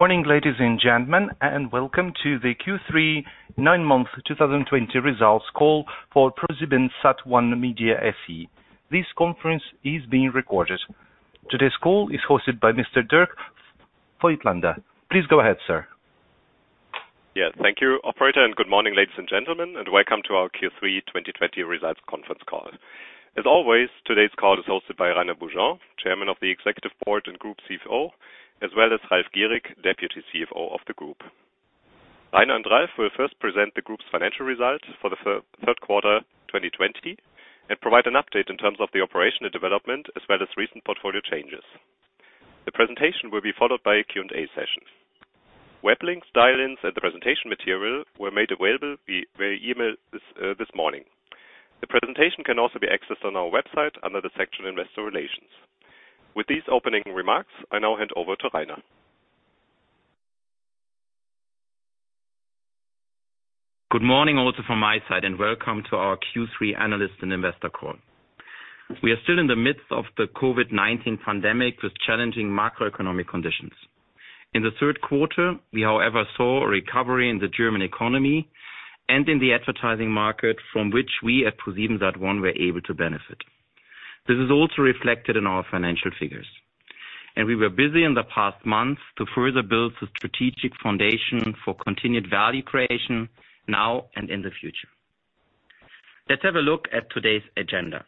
Morning, ladies and gentlemen, and welcome to the Q3 nine month 2020 results call for ProSiebenSat.1 Media SE. This conference is being recorded. Today's call is hosted by Mr. Dirk Voigtländer. Please go ahead, sir. Yeah. Thank you, operator. Good morning, ladies and gentlemen, and welcome to our Q3 2020 results conference call. As always, today's call is hosted by Rainer Beaujean, Chairman of the Executive Board and Group CFO, as well as Ralf Gierig, Deputy CFO of the Group. Rainer and Ralf will first present the Group's financial results for the third quarter 2020 and provide an update in terms of the operational development as well as recent portfolio changes. The presentation will be followed by a Q&A session. Web links, dial-ins, and the presentation material were made available via email this morning. The presentation can also be accessed on our website under the section Investor Relations. With these opening remarks, I now hand over to Rainer. Good morning also from my side, welcome to our Q3 analyst and investor call. We are still in the midst of the COVID-19 pandemic with challenging macroeconomic conditions. In the third quarter, we however saw a recovery in the German economy and in the advertising market, from which we at ProSiebenSat.1 were able to benefit. This is also reflected in our financial figures. We were busy in the past months to further build the strategic foundation for continued value creation now and in the future. Let's have a look at today's agenda.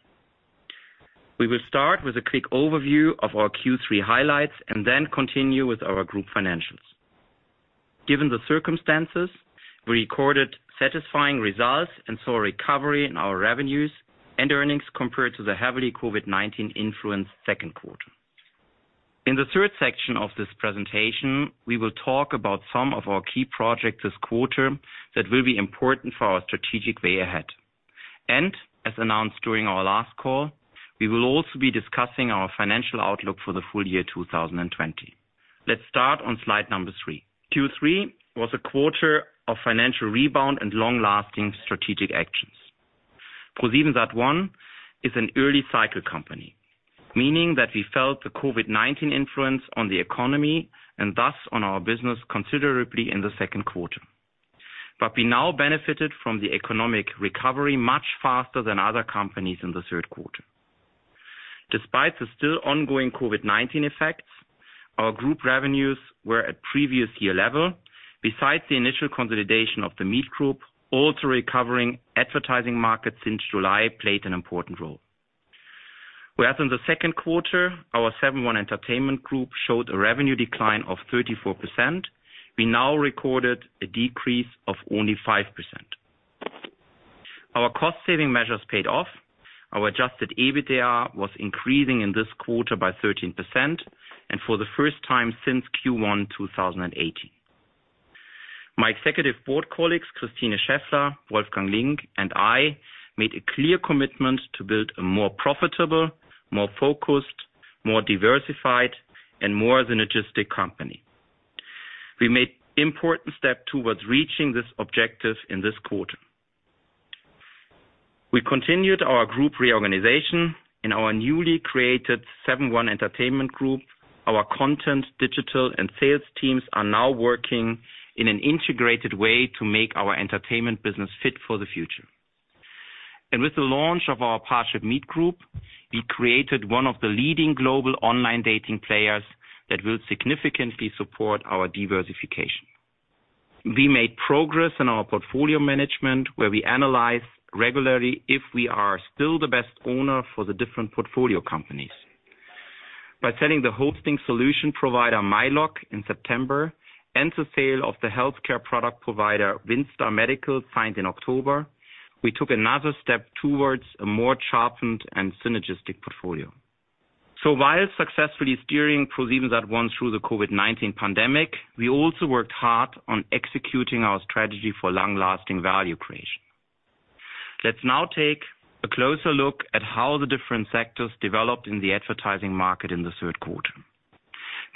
We will start with a quick overview of our Q3 highlights then continue with our group financials. Given the circumstances, we recorded satisfying results and saw a recovery in our revenues and earnings compared to the heavily COVID-19 influenced second quarter. In the third section of this presentation, we will talk about some of our key projects this quarter that will be important for our strategic way ahead. As announced during our last call, we will also be discussing our financial outlook for the full year 2020. Let's start on slide number three. Q3 was a quarter of financial rebound and long-lasting strategic actions. ProSiebenSat.1 is an early cycle company, meaning that we felt the COVID-19 influence on the economy and thus on our business considerably in the second quarter. We now benefited from the economic recovery much faster than other companies in the third quarter. Despite the still ongoing COVID-19 effects, our group revenues were at previous year level. Besides the initial consolidation of the Meet Group, also recovering advertising markets since July played an important role. Whereas in the second quarter, our Seven.One Entertainment Group showed a revenue decline of 34%, we now recorded a decrease of only 5%. Our cost saving measures paid off. Our adjusted EBITDA was increasing in this quarter by 13%, and for the first time since Q1 2018. My executive board colleagues, Christine Scheffler, Wolfgang Link, and I, made a clear commitment to build a more profitable, more focused, more diversified, and more synergistic company. We made important step towards reaching this objective in this quarter. We continued our group reorganization in our newly created Seven.One Entertainment Group. Our content, digital, and sales teams are now working in an integrated way to make our entertainment business fit for the future. With the launch of our ParshipMeet Group, we created one of the leading global online dating players that will significantly support our diversification. We made progress in our portfolio management, where we analyze regularly if we are still the best owner for the different portfolio companies. By selling the hosting solution provider, myLoc, in September, and the sale of the healthcare product provider, WindStar Medical, signed in October, we took another step towards a more sharpened and synergistic portfolio. While successfully steering ProSiebenSat.1 through the COVID-19 pandemic, we also worked hard on executing our strategy for long-lasting value creation. Let's now take a closer look at how the different sectors developed in the advertising market in the third quarter.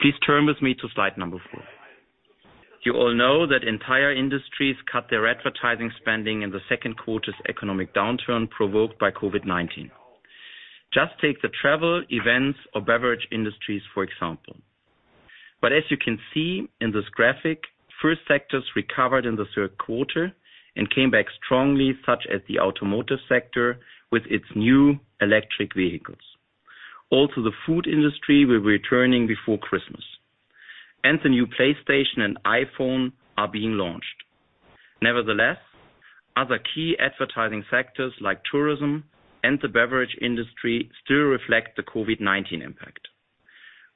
Please turn with me to slide number four. You all know that entire industries cut their advertising spending in the second quarter's economic downturn provoked by COVID-19. Just take the travel, events, or beverage industries, for example. As you can see in this graphic, first sectors recovered in the third quarter and came back strongly, such as the automotive sector with its new electric vehicles. Also, the food industry will be returning before Christmas. The new PlayStation and iPhone are being launched. Nevertheless, other key advertising factors like tourism and the beverage industry still reflect the COVID-19 impact.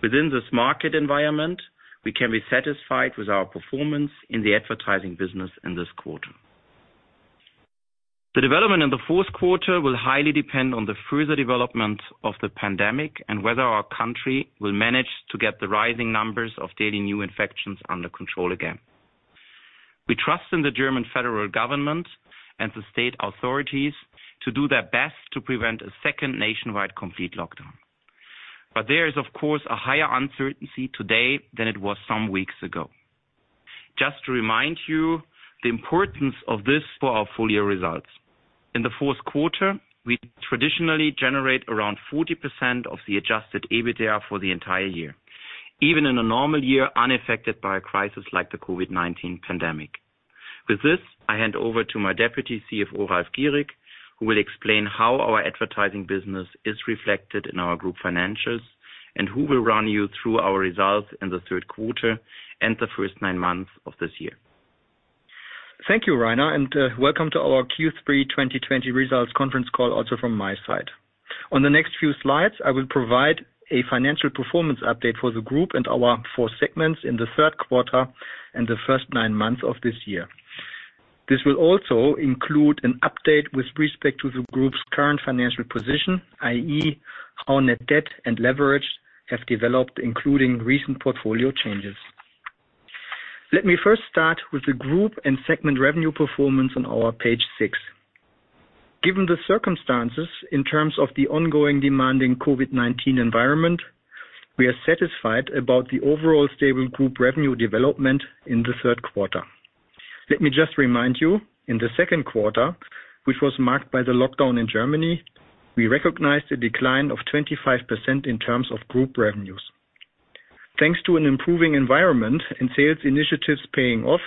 Within this market environment, we can be satisfied with our performance in the advertising business in this quarter. The development in the fourth quarter will highly depend on the further development of the pandemic and whether our country will manage to get the rising numbers of daily new infections under control again. We trust in the German federal government and the state authorities to do their best to prevent a second nationwide complete lockdown. There is, of course, a higher uncertainty today than it was some weeks ago. Just to remind you the importance of this for our full year results. In the fourth quarter, we traditionally generate around 40% of the adjusted EBITDA for the entire year, even in a normal year unaffected by a crisis like the COVID-19 pandemic. With this, I hand over to my Deputy CFO, Ralf Gierig, who will explain how our advertising business is reflected in our group financials and who will run you through our results in the third quarter and the first nine months of this year. Thank you, Rainer, and welcome to our Q3 2020 results conference call also from my side. On the next few slides, I will provide a financial performance update for the group and our four segments in the third quarter and the first nine months of this year. This will also include an update with respect to the group's current financial position, i.e., how net debt and leverage have developed, including recent portfolio changes. Let me first start with the group and segment revenue performance on our page six. Given the circumstances in terms of the ongoing demanding COVID-19 environment, we are satisfied about the overall stable group revenue development in the third quarter. Let me just remind you, in the second quarter, which was marked by the lockdown in Germany, we recognized a decline of 25% in terms of group revenues. Thanks to an improving environment and sales initiatives paying off,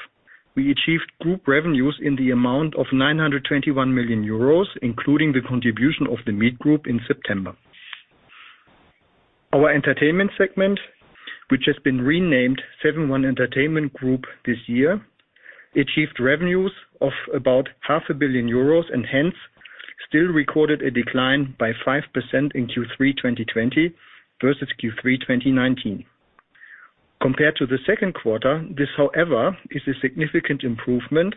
we achieved group revenues in the amount of 921 million euros, including the contribution of The Meet Group in September. Our entertainment segment, which has been renamed Seven.One Entertainment Group this year, achieved revenues of about 0.5 Billion euros and hence still recorded a decline by 5% in Q3 2020 versus Q3 2019. Compared to the second quarter, this, however, is a significant improvement,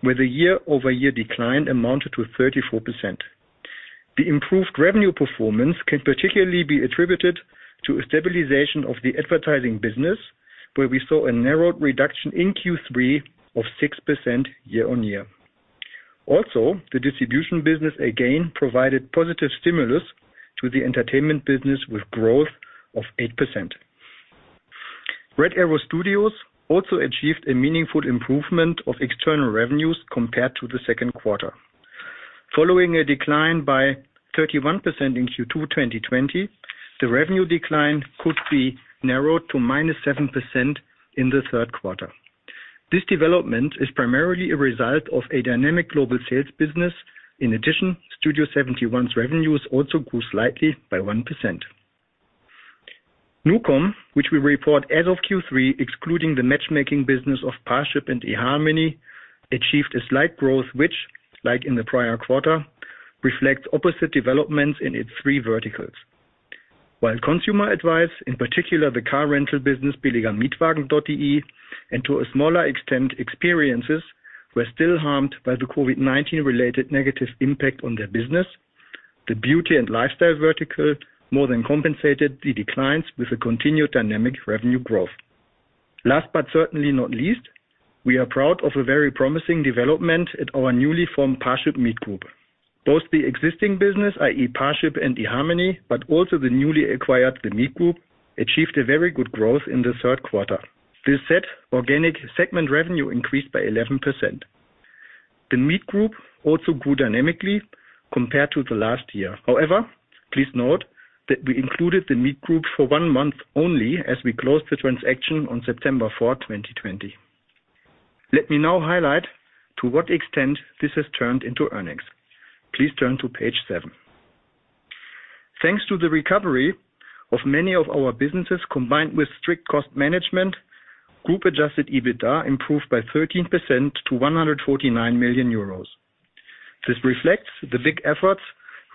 where the year-over-year decline amounted to 34%. The improved revenue performance can particularly be attributed to a stabilization of the advertising business, where we saw a narrowed reduction in Q3 of 6% year on year. The distribution business again provided positive stimulus to the entertainment business with growth of 8%. Red Arrow Studios also achieved a meaningful improvement of external revenues compared to the second quarter. Following a decline by 31% in Q2 2020, the revenue decline could be narrowed to -7% in the third quarter. This development is primarily a result of a dynamic global sales business. In addition, Studio71's revenues also grew slightly by 1%. NuCom, which we report as of Q3, excluding the matchmaking business of Parship and eharmony, achieved a slight growth, which like in the prior quarter, reflects opposite developments in its three verticals. While consumer advice, in particular the car rental business billiger-mietwagen.de and to a smaller extent, experiences were still harmed by the COVID-19 related negative impact on their business. The beauty and lifestyle vertical more than compensated the declines with a continued dynamic revenue growth. Last but certainly not least, we are proud of a very promising development at our newly formed ParshipMeet Group. Both the existing business, i.e. Parship and eharmony, but also the newly acquired, The Meet Group, achieved a very good growth in the third quarter. This said, organic segment revenue increased by 11%. The Meet Group also grew dynamically compared to the last year. However, please note that we included The Meet Group for one month only as we closed the transaction on September 4th, 2020. Let me now highlight to what extent this has turned into earnings. Please turn to page seven. Thanks to the recovery of many of our businesses, combined with strict cost management, group adjusted EBITDA improved by 13% to 149 million euros. This reflects the big efforts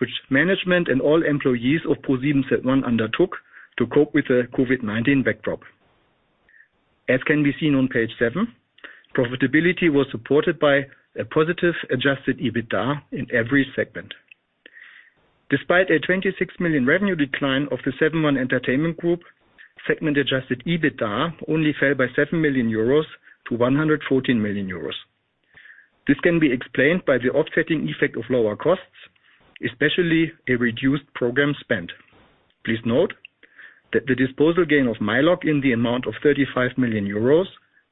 which management and all employees of ProSiebenSat.1 undertook to cope with the COVID-19 backdrop. As can be seen on page seven, profitability was supported by a positive adjusted EBITDA in every segment. Despite a 26 million revenue decline of the Seven.One Entertainment Group, segment adjusted EBITDA only fell by 7 million-114 million euros. This can be explained by the offsetting effect of lower costs, especially a reduced program spend. Please note that the disposal gain of myLoc in the amount of 35 million euros,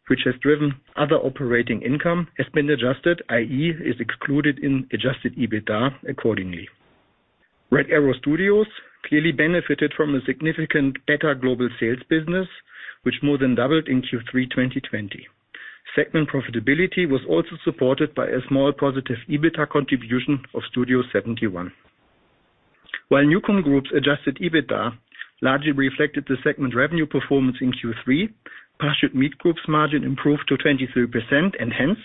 which has driven other operating income, has been adjusted, i.e. is excluded in adjusted EBITDA accordingly. Red Arrow Studios clearly benefited from a significant better global sales business, which more than doubled in Q3 2020. Segment profitability was also supported by a small positive EBITDA contribution of Studio71. While NuCom Group's adjusted EBITDA largely reflected the segment revenue performance in Q3, ParshipMeet Group's margin improved to 23% and hence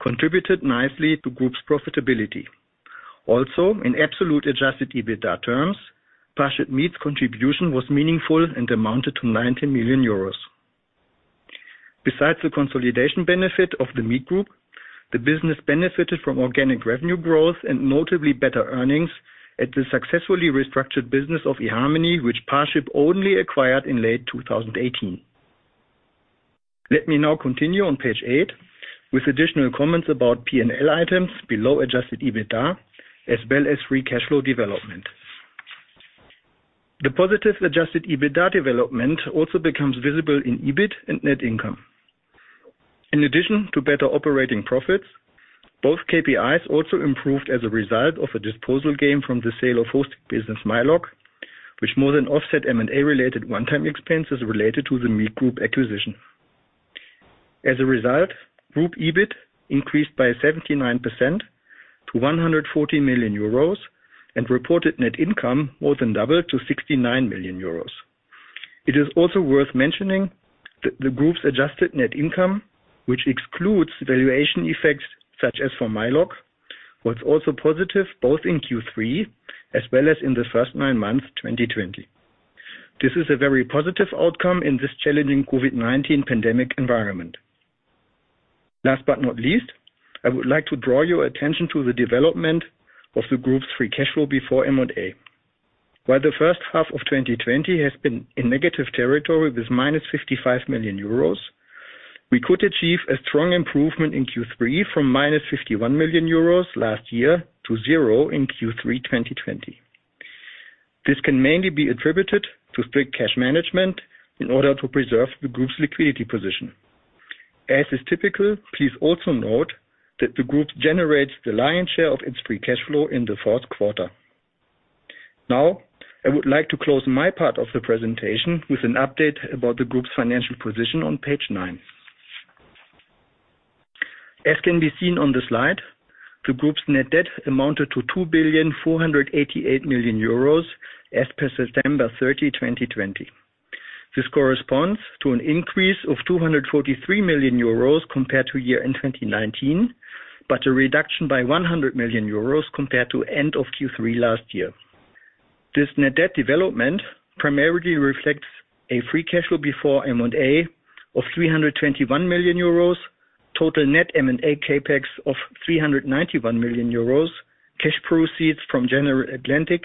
contributed nicely to Group's profitability. Also, in absolute adjusted EBITDA terms, ParshipMeet's contribution was meaningful and amounted to 90 million euros. Besides the consolidation benefit of The Meet Group, the business benefited from organic revenue growth and notably better earnings at the successfully restructured business of eharmony, which Parship only acquired in late 2018. Let me now continue on page eight with additional comments about P&L items below adjusted EBITDA as well as free cash flow development. The positive adjusted EBITDA development also becomes visible in EBIT and net income. In addition to better operating profits, both KPIs also improved as a result of a disposal gain from the sale of hosting business, myLoc, which more than offset M&A related one-time expenses related to The Meet Group acquisition. As a result, Group EBIT increased by 79% to 114 million euros, and reported net income more than doubled to 69 million euros. It is also worth mentioning that the group's adjusted net income, which excludes valuation effects such as for myLoc, was also positive both in Q3 as well as in the first nine months 2020. This is a very positive outcome in this challenging COVID-19 pandemic environment. Last but not least, I would like to draw your attention to the development of the group's free cash flow before M&A. While the first half of 2020 has been in negative territory with -55 million euros, we could achieve a strong improvement in Q3 from -51 million euros last year to zero in Q3 2020. This can mainly be attributed to strict cash management in order to preserve the group's liquidity position. As is typical, please also note that the group generates the lion share of its free cash flow in the fourth quarter. Now, I would like to close my part of the presentation with an update about the group's financial position on page nine. As can be seen on the slide, the group's net debt amounted to 2.488 billion as per September 30, 2020. This corresponds to an increase of 243 million euros compared to year-end 2019, but a reduction by 100 million euros compared to end of Q3 last year. This net debt development primarily reflects a free cash flow before M&A of 321 million euros, total net M&A CapEx of 391 million euros, cash proceeds from General Atlantic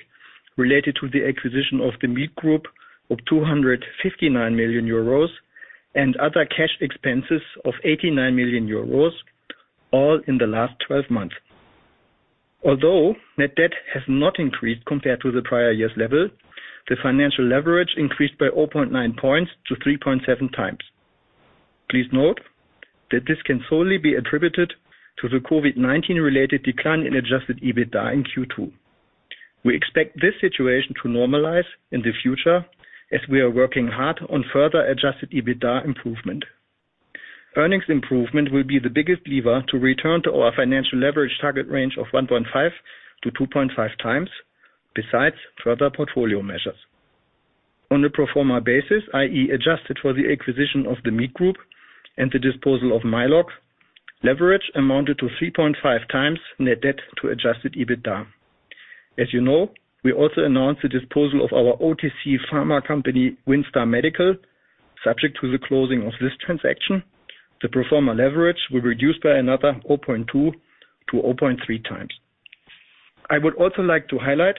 related to the acquisition of The Meet Group of 259 million euros, and other cash expenses of 89 million euros, all in the last 12 months. Although net debt has not increased compared to the prior year's level, the financial leverage increased by 0.9 points to 3.7x. Please note that this can solely be attributed to the COVID-19 related decline in adjusted EBITDA in Q2. We expect this situation to normalize in the future as we are working hard on further adjusted EBITDA improvement. Earnings improvement will be the biggest lever to return to our financial leverage target range of 1.5 to 2.5x, besides further portfolio measures. On a pro forma basis, i.e., adjusted for the acquisition of The Meet Group and the disposal of myLoc, leverage amounted to 3.5x net debt to adjusted EBITDA. As you know, we also announced the disposal of our OTC pharma company, WindStar Medical, subject to the closing of this transaction. The pro forma leverage will reduce by another 0.2 to 0.3x. I would also like to highlight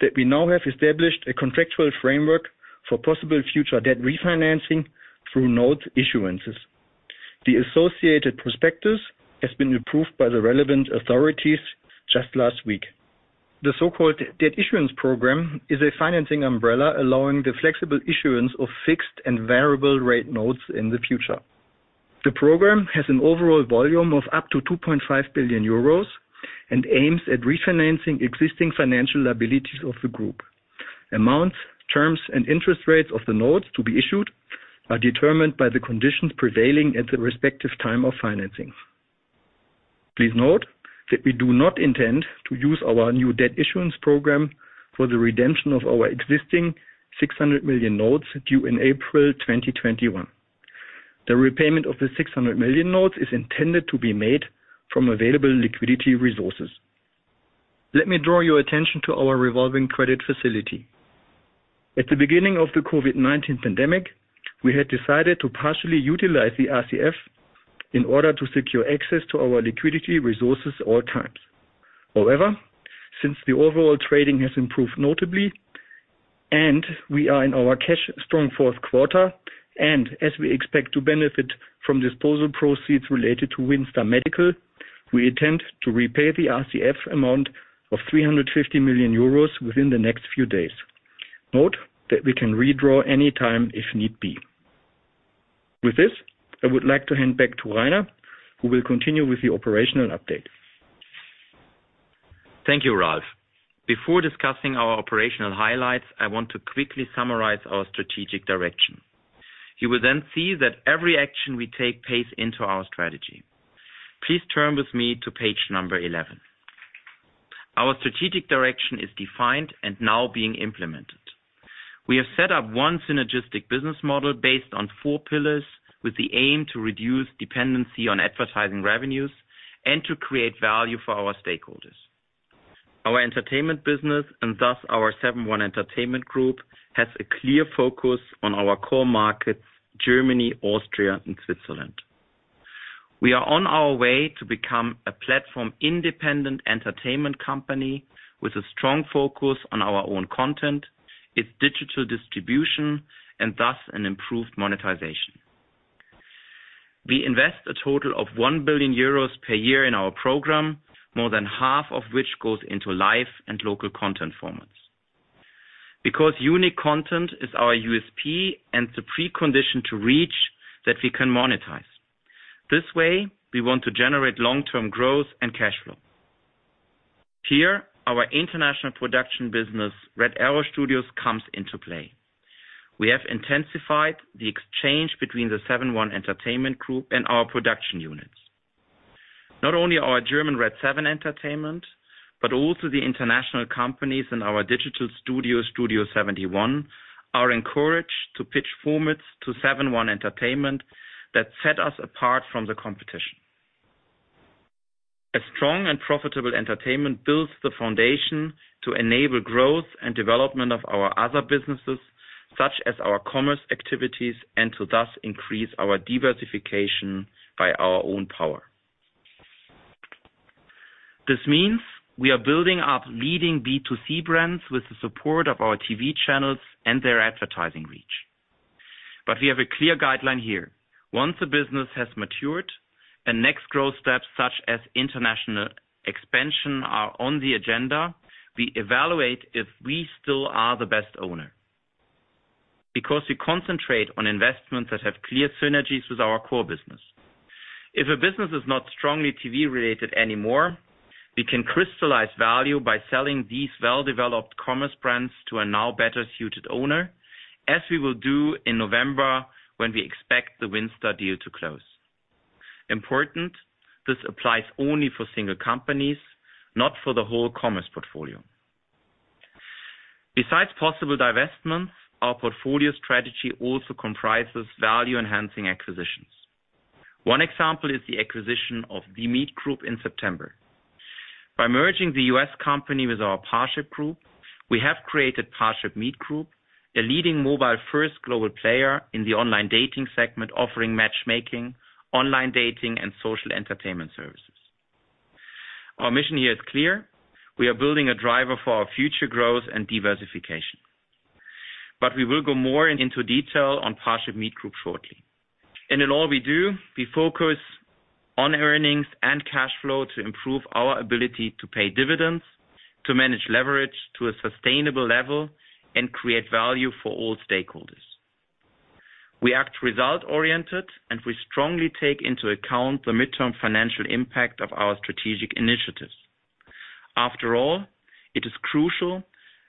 that we now have established a contractual framework for possible future debt refinancing through note issuances. The associated prospectus has been approved by the relevant authorities just last week. The so-called debt issuance program is a financing umbrella allowing the flexible issuance of fixed and variable rate notes in the future. The program has an overall volume of up to 2.5 billion euros and aims at refinancing existing financial liabilities of the group. Amounts, terms, and interest rates of the notes to be issued are determined by the conditions prevailing at the respective time of financing. Please note that we do not intend to use our new debt issuance program for the redemption of our existing 600 million notes due in April 2021. The repayment of the 600 million notes is intended to be made from available liquidity resources. Let me draw your attention to our revolving credit facility. At the beginning of the COVID-19 pandemic, we had decided to partially utilize the RCF in order to secure access to our liquidity resources at all times. However, since the overall trading has improved notably, and we are in our cash strong fourth quarter, and as we expect to benefit from disposal proceeds related to WindStar Medical, we intend to repay the RCF amount of 350 million euros within the next few days. Note that we can redraw any time if need be. With this, I would like to hand back to Rainer, who will continue with the operational update. Thank you, Ralf. Before discussing our operational highlights, I want to quickly summarize our strategic direction. You will then see that every action we take pays into our strategy. Please turn with me to page number 11. Our strategic direction is defined and now being implemented. We have set up one synergistic business model based on four pillars with the aim to reduce dependency on advertising revenues and to create value for our stakeholders. Our entertainment business, and thus our Seven.One Entertainment Group, has a clear focus on our core markets, Germany, Austria, and Switzerland. We are on our way to become a platform-independent entertainment company with a strong focus on our own content, its digital distribution, and thus an improved monetization. We invest a total of 1 billion euros per year in our program, more than half of which goes into live and local content formats. Because unique content is our USP and the precondition to reach that we can monetize. This way, we want to generate long-term growth and cash flow. Here, our international production business, Red Arrow Studios, comes into play. We have intensified the exchange between the Seven.One Entertainment Group and our production units. Not only our German RedSeven Entertainment, but also the international companies in our digital studio, Studio71, are encouraged to pitch formats to Seven.One Entertainment that set us apart from the competition. A strong and profitable entertainment builds the foundation to enable growth and development of our other businesses, such as our commerce activities, and to thus increase our diversification by our own power. This means we are building up leading B2C brands with the support of our TV channels and their advertising reach. We have a clear guideline here. Once a business has matured, and next growth steps such as international expansion are on the agenda, we evaluate if we still are the best owner. We concentrate on investments that have clear synergies with our core business. If a business is not strongly TV-related anymore, we can crystallize value by selling these well-developed commerce brands to a now better-suited owner, as we will do in November, when we expect the WindStar deal to close. Important, this applies only for single companies, not for the whole commerce portfolio. Besides possible divestments, our portfolio strategy also comprises value-enhancing acquisitions. One example is the acquisition of The Meet Group in September. By merging the U.S. company with our Parship Group, we have created ParshipMeet Group, a leading mobile-first global player in the online dating segment, offering matchmaking, online dating, and social entertainment services. Our mission here is clear. We are building a driver for our future growth and diversification. We will go more into detail on ParshipMeet Group shortly. In all we do, we focus on earnings and cash flow to improve our ability to pay dividends, to manage leverage to a sustainable level, and create value for all stakeholders. We act result-oriented, and we strongly take into account the midterm financial impact of our strategic initiatives. After all, it is crucial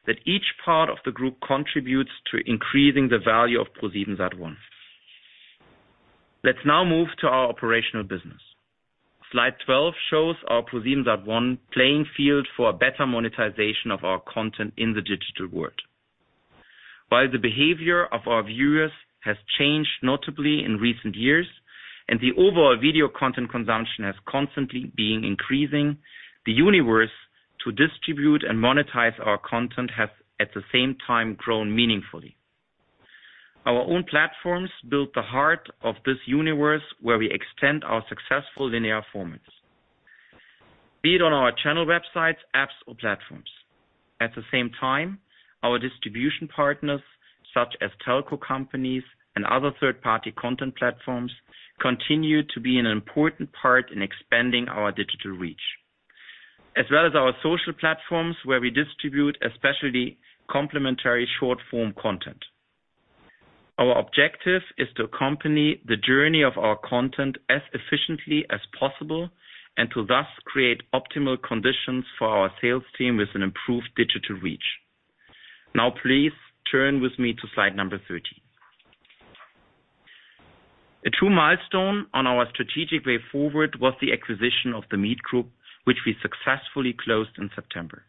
that each part of the group contributes to increasing the value of ProSiebenSat.1. Let's now move to our operational business. Slide 12 shows our ProSiebenSat.1 playing field for a better monetization of our content in the digital world. While the behavior of our viewers has changed notably in recent years, and the overall video content consumption has constantly been increasing, the universe to distribute and monetize our content has at the same time grown meaningfully. Our own platforms build the heart of this universe where we extend our successful linear formats, be it on our channel websites, apps, or platforms. At the same time, our distribution partners, such as telco companies and other third-party content platforms, continue to be an important part in expanding our digital reach. As well as our social platforms, where we distribute especially complementary short-form content. Our objective is to accompany the journey of our content as efficiently as possible, and to thus create optimal conditions for our sales team with an improved digital reach. Now, please turn with me to slide number 13. A true milestone on our strategic way forward was the acquisition of The Meet Group, which we successfully closed in September.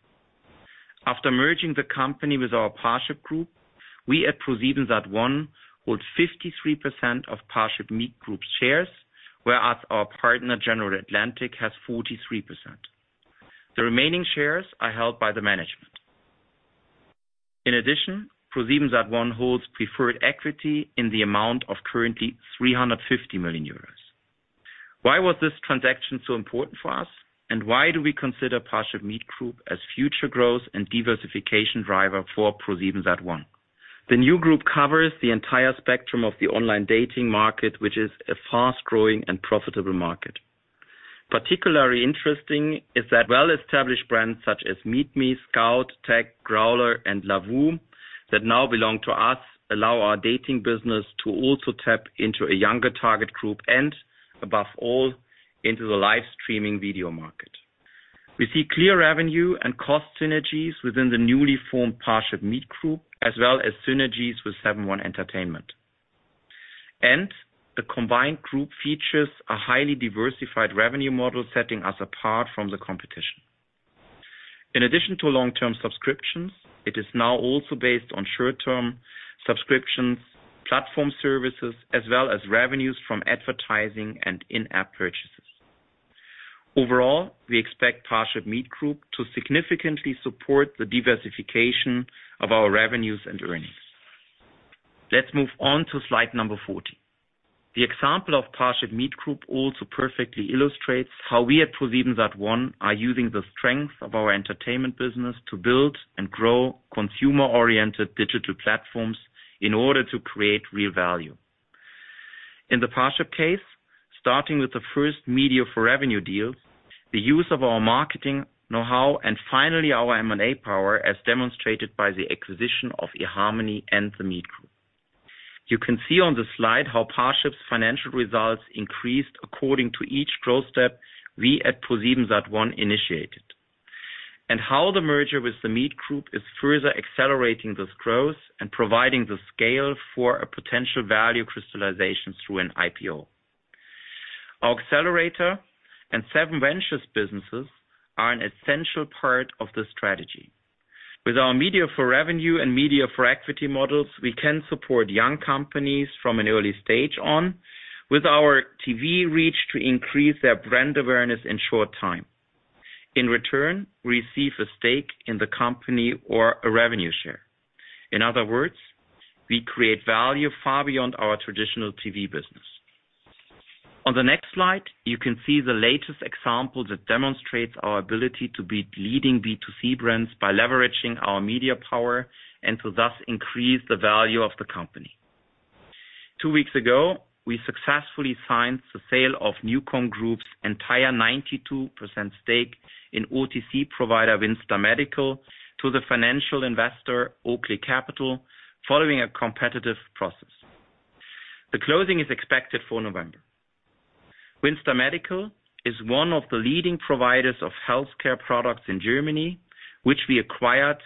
After merging the company with our Parship Group, we at ProSiebenSat.1 hold 53% of ParshipMeet Group's shares, whereas our partner, General Atlantic, has 43%. The remaining shares are held by the management. In addition, ProSiebenSat.1 holds preferred equity in the amount of currently 350 million euros. Why was this transaction so important for us? Why do we consider ParshipMeet Group as future growth and diversification driver for ProSiebenSat.1? The new group covers the entire spectrum of the online dating market, which is a fast-growing and profitable market. Particularly interesting is that well-established brands such as MeetMe, Skout, Tagged, Growlr, and Lovoo that now belong to us allow our dating business to also tap into a younger target group and, above all, into the live streaming video market. We see clear revenue and cost synergies within the newly formed ParshipMeet Group, as well as synergies with Seven.One Entertainment Group. The combined group features a highly diversified revenue model, setting us apart from the competition. In addition to long-term subscriptions, it is now also based on short-term subscriptions, platform services, as well as revenues from advertising and in-app purchases. Overall, we expect ParshipMeet Group to significantly support the diversification of our revenues and earnings. Let's move on to slide number 14. The example of ParshipMeet Group also perfectly illustrates how we at ProSiebenSat.1 are using the strength of our entertainment business to build and grow consumer-oriented digital platforms in order to create real value. In the Parship case, starting with the first media-for-revenue deals, the use of our marketing know-how, and finally our M&A power, as demonstrated by the acquisition of eharmony and The Meet Group. You can see on the slide how Parship's financial results increased according to each growth step we at ProSiebenSat.1 initiated, and how the merger with The Meet Group is further accelerating this growth and providing the scale for a potential value crystallization through an IPO. Our accelerator and SevenVentures businesses are an essential part of the strategy. With our media-for-revenue and media-for-equity models, we can support young companies from an early stage on with our TV reach to increase their brand awareness in short time. In return, we receive a stake in the company or a revenue share. In other words, we create value far beyond our traditional TV business. On the next slide, you can see the latest example that demonstrates our ability to beat leading B2C brands by leveraging our media power and to thus increase the value of the company. Two weeks ago, we successfully signed the sale of NuCom Group's entire 92% stake in OTC provider WindStar Medical to the financial investor Oakley Capital, following a competitive process. The closing is expected for November. WindStar Medical is one of the leading providers of healthcare products in Germany, which we acquired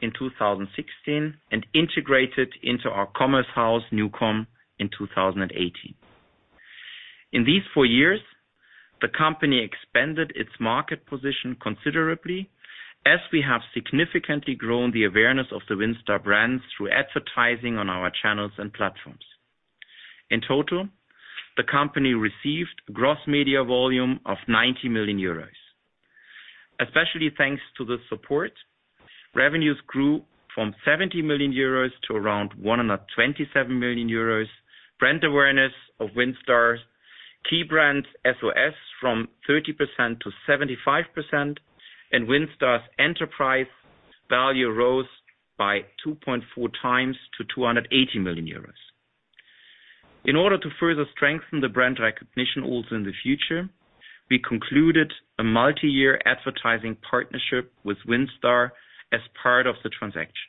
in 2016 and integrated into our commerce house, NuCom, in 2018. In these four years, the company expanded its market position considerably as we have significantly grown the awareness of the WindStar brands through advertising on our channels and platforms. In total, the company received gross media volume of 90 million euros. Especially thanks to the support, revenues grew from 70 million euros to around 127 million euros. Brand awareness of WindStar's key brands SOS from 30%-75%, and WindStar's enterprise value rose by 2.4x to 280 million euros. In order to further strengthen the brand recognition also in the future, we concluded a multi-year advertising partnership with WindStar as part of the transaction.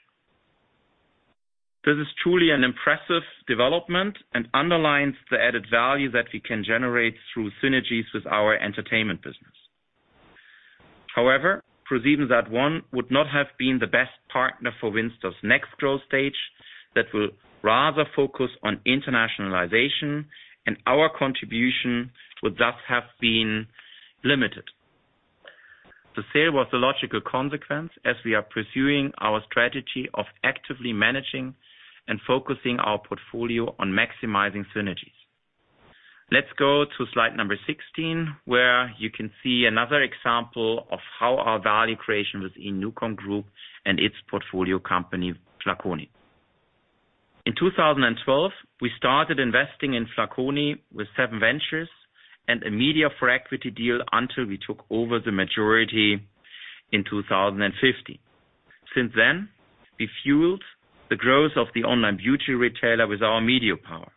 This is truly an impressive development and underlines the added value that we can generate through synergies with our entertainment business. ProSiebenSat.1 would not have been the best partner for WindStar's next growth stage, that will rather focus on internationalization, and our contribution would thus have been limited. The sale was a logical consequence as we are pursuing our strategy of actively managing and focusing our portfolio on maximizing synergies. Let's go to slide number 16, where you can see another example of how our value creation was in NuCom Group and its portfolio company, Flaconi. In 2012, we started investing in Flaconi with SevenVentures and a media-for-equity deal until we took over the majority in 2015. Since then, we fueled the growth of the online beauty retailer with our media power.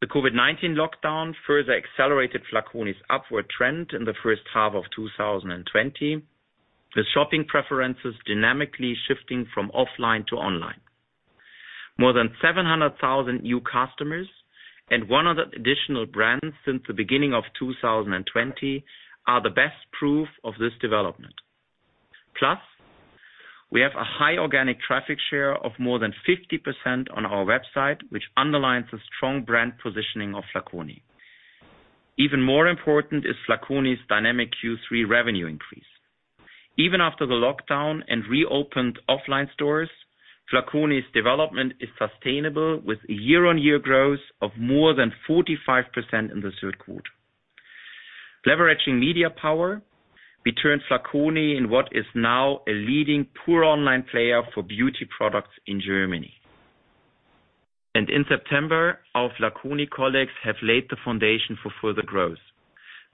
The COVID-19 lockdown further accelerated Flaconi's upward trend in the first half of 2020, with shopping preferences dynamically shifting from offline to online. More than 700,000 new customers and 100 additional brands since the beginning of 2020 are the best proof of this development. We have a high organic traffic share of more than 50% on our website, which underlines the strong brand positioning of Flaconi. Even more important is Flaconi's dynamic Q3 revenue increase. Even after the lockdown and reopened offline stores, Flaconi's development is sustainable with year-on-year growth of more than 45% in the third quarter. Leveraging media power, we turned Flaconi in what is now a leading pure online player for beauty products in Germany. In September, our Flaconi colleagues have laid the foundation for further growth.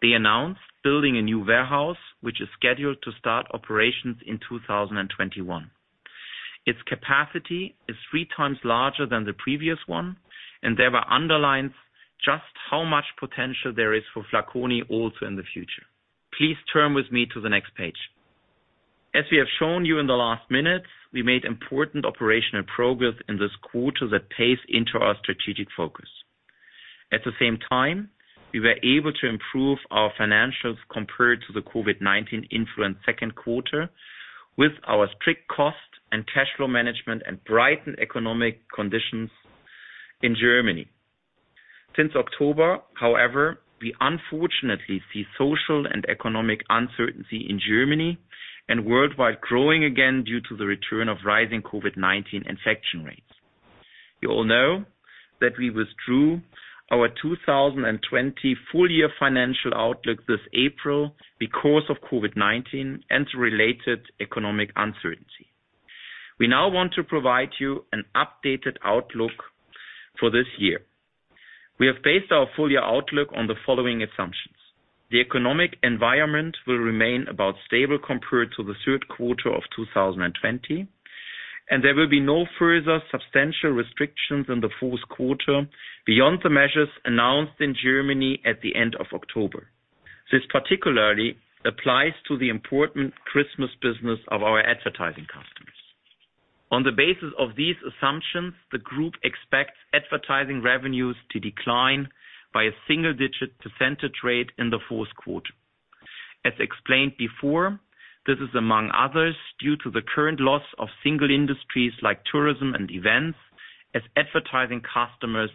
They announced building a new warehouse, which is scheduled to start operations in 2021. Its capacity is three times larger than the previous one, and thereby underlines just how much potential there is for Flaconi also in the future. Please turn with me to the next page. As we have shown you in the last minutes, we made important operational progress in this quarter that pays into our strategic focus. At the same time, we were able to improve our financials compared to the COVID-19 influenced second quarter with our strict cost and cash flow management and brightened economic conditions in Germany. Since October, however, we unfortunately see social and economic uncertainty in Germany and worldwide growing again due to the return of rising COVID-19 infection rates. You all know that we withdrew our 2020 full-year financial outlook this April because of COVID-19 and related economic uncertainty. We now want to provide you an updated outlook for this year. We have based our full-year outlook on the following assumptions. The economic environment will remain about stable compared to the third quarter of 2020. There will be no further substantial restrictions in the fourth quarter beyond the measures announced in Germany at the end of October. This particularly applies to the important Christmas business of our advertising customers. On the basis of these assumptions, the group expects advertising revenues to decline by a single-digit percentage rate in the fourth quarter. As explained before, this is among others, due to the current loss of single industries like tourism and events as advertising customers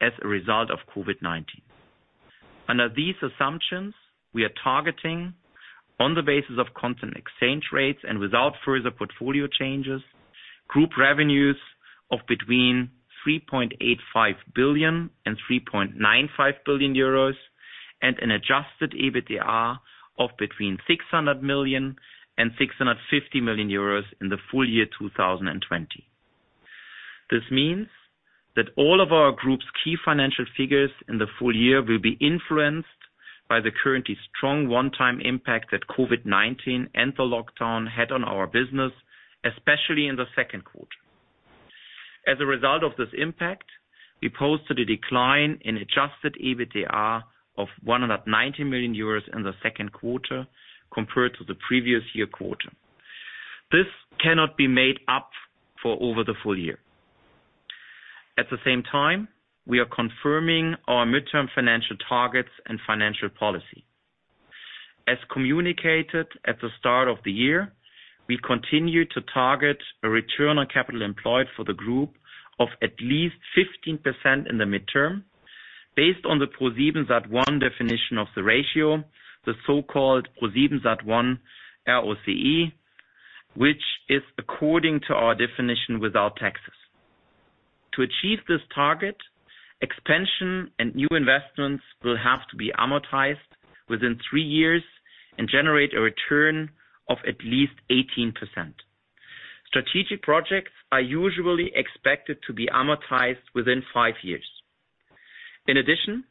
as a result of COVID-19. Under these assumptions, we are targeting on the basis of constant exchange rates and without further portfolio changes, group revenues of between 3.85 billion and 3.95 billion euros, and an adjusted EBITDA of between 600 million and 650 million euros in the full year 2020. This means that all of our group's key financial figures in the full year will be influenced by the currently strong one-time impact that COVID-19 and the lockdown had on our business, especially in the second quarter. As a result of this impact, we posted a decline in adjusted EBITDA of 190 million euros in the second quarter compared to the previous year quarter. This cannot be made up for over the full year. At the same time, we are confirming our midterm financial targets and financial policy. As communicated at the start of the year, we continue to target a return on capital employed for the group of at least 15% in the midterm based on the ProSiebenSat.1 definition of the ratio, the so-called ProSiebenSat.1 ROCE, which is according to our definition without taxes. To achieve this target, expansion and new investments will have to be amortized within three years and generate a return of at least 18%. Strategic projects are usually expected to be amortized within five years. In addition,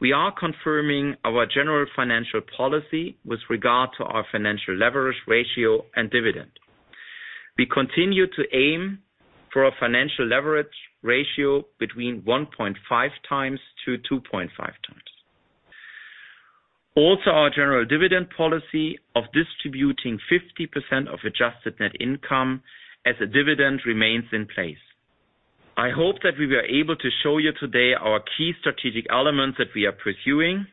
we are confirming our general financial policy with regard to our financial leverage ratio and dividend. We continue to aim for a financial leverage ratio between 1.5x to 2.5x. Our general dividend policy of distributing 50% of adjusted net income as a dividend remains in place. I hope that we were able to show you today our key strategic elements that we are pursuing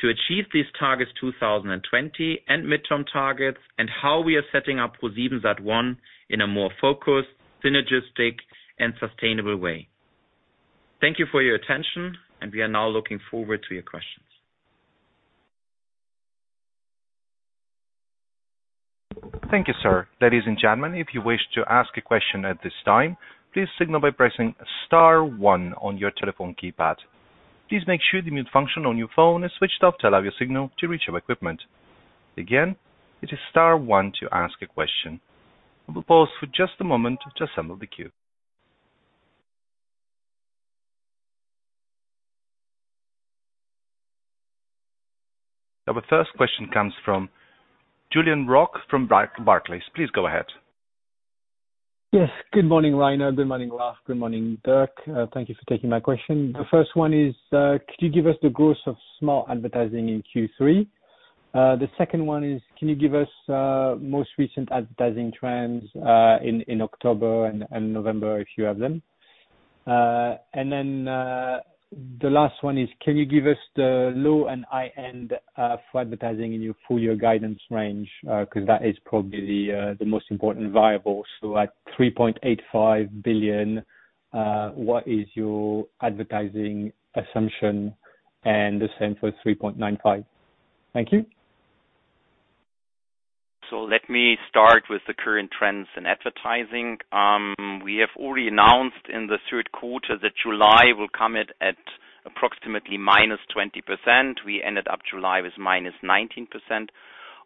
to achieve these targets 2020 and midterm targets, and how we are setting up ProSiebenSat.1 in a more focused, synergistic, and sustainable way. Thank you for your attention, and we are now looking forward to your questions. Thank you, sir. Ladies and gentlemen, if you wish to ask a question at this time, please signal by pressing star one on your telephone keypad. Please make sure the mute function on your phone is switched off to allow your signal to reach our equipment. Again, it is star one to ask a question. We'll pause for just a moment to assemble the queue. Our first question comes from Julien Roch from Barclays. Please go ahead. Yes. Good morning, Rainer. Good morning, Ralf. Good morning, Dirk. Thank you for taking my question. The first one is, could you give us the growth of smart advertising in Q3? The second one is, can you give us most recent advertising trends in October and November, if you have them? The last one is, can you give us the low and high end for advertising in your full year guidance range? Because that is probably the most important variable. At 3.85 billion, what is your advertising assumption and the same for 3.95 billion? Thank you. Let me start with the current trends in advertising. We have already announced in the third quarter that July will come in at approximately -20%. We ended up July with -19%.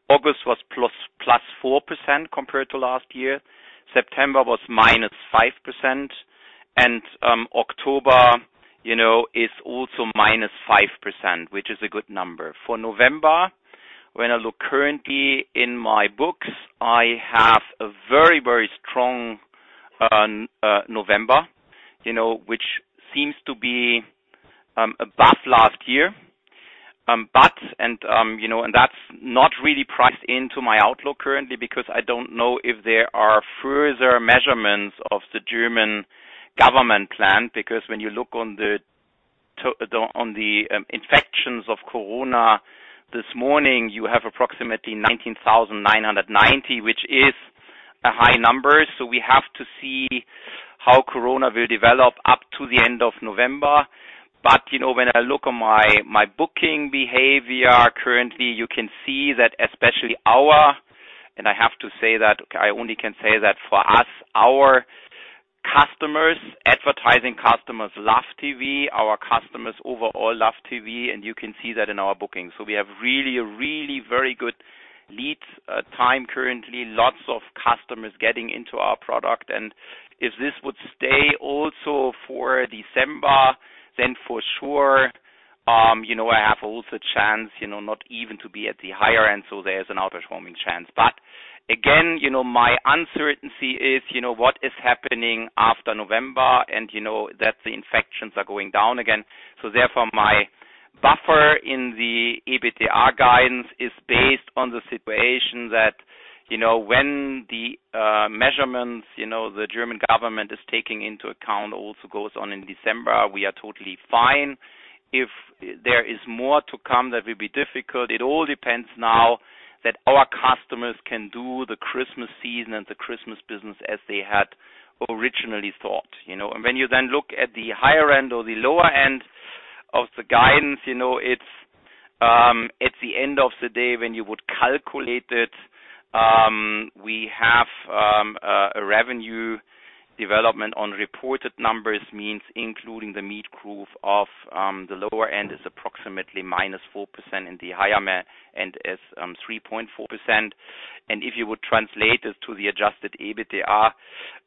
August was +4% compared to last year. September was -5%. October is also -5%, which is a good number. For November, when I look currently in my books, I have a very strong November, which seems to be above last year. That is not really priced into my outlook currently because I don't know if there are further measurements of the German government plan, because when you look on the infections of COVID this morning, you have approximately 19,990, which is a high number. We have to see how COVID will develop up to the end of November. When I look on my booking behavior currently, you can see that especially our, and I have to say that I only can say that for us, our customers, advertising customers love TV. Our customers overall love TV, and you can see that in our bookings. We have a really very good lead time currently, lots of customers getting into our product. If this would stay also for December, for sure, I have also chance, not even to be at the higher end, so there is an outperforming chance. Again, my uncertainty is, what is happening after November and that the infections are going down again. Therefore my buffer in the EBITDA guidance is based on the situation that when the measurements, the German government is taking into account also goes on in December, we are totally fine. If there is more to come, that will be difficult. It all depends now that our customers can do the Christmas season and the Christmas business as they had originally thought. When you then look at the higher end or the lower end of the guidance, it's at the end of the day when you would calculate it, we have a revenue development on reported numbers means including the Meet Group of the lower end is approximately -4% and the higher end is 3.4%. If you would translate it to the adjusted EBITDA,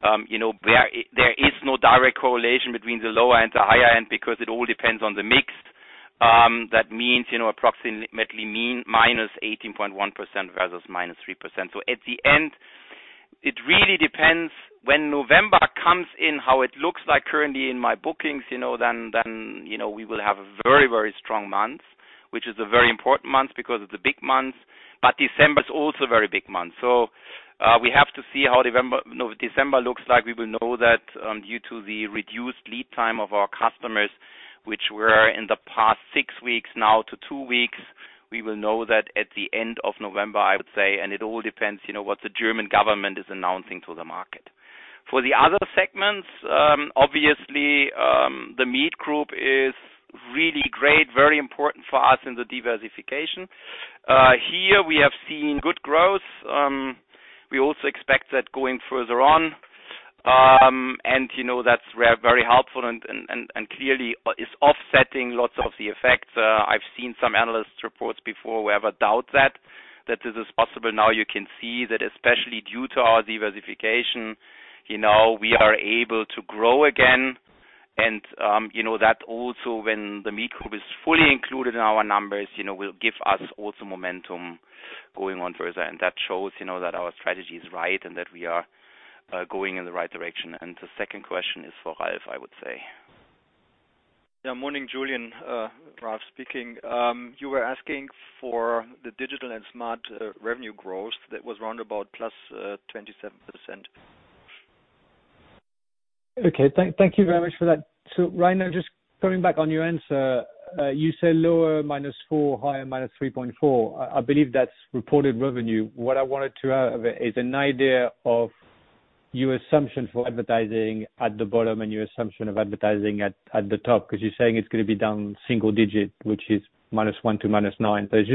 there is no direct correlation between the lower end, the higher end, because it all depends on the mix. That means, approximately -18.1% versus -3%. At the end, it really depends when November comes in, how it looks like currently in my bookings, then we will have a very strong month, which is a very important month because it's a big month, but December is also a very big month. We have to see how December looks like. We will know that, due to the reduced lead time of our customers, which were in the past six weeks now to two weeks. We will know that at the end of November, I would say. It all depends, what the German government is announcing to the market. For the other segments, obviously, the Meet Group is really great, very important for us in the diversification. Here we have seen good growth. We also expect that going further on. That's very helpful and clearly is offsetting lots of the effects. I've seen some analyst reports before. We have a doubt that this is possible. Now you can see that especially due to our diversification, we are able to grow again. That also when The Meet Group is fully included in our numbers, will give us also momentum going on further. That shows that our strategy is right and that we are going in the right direction. The second question is for Ralf, I would say. Yeah. Morning, Julien. Ralf speaking. You were asking for the digital and smart revenue growth. That was round about +27%. Okay. Thank you very much for that. Ralf, just coming back on your answer, you said lower -4%, higher -3.4%. I believe that's reported revenue. What I wanted to have is an idea of your assumption for advertising at the bottom and your assumption of advertising at the top because you're saying it's going to be down single digit, which is -1% to -9%.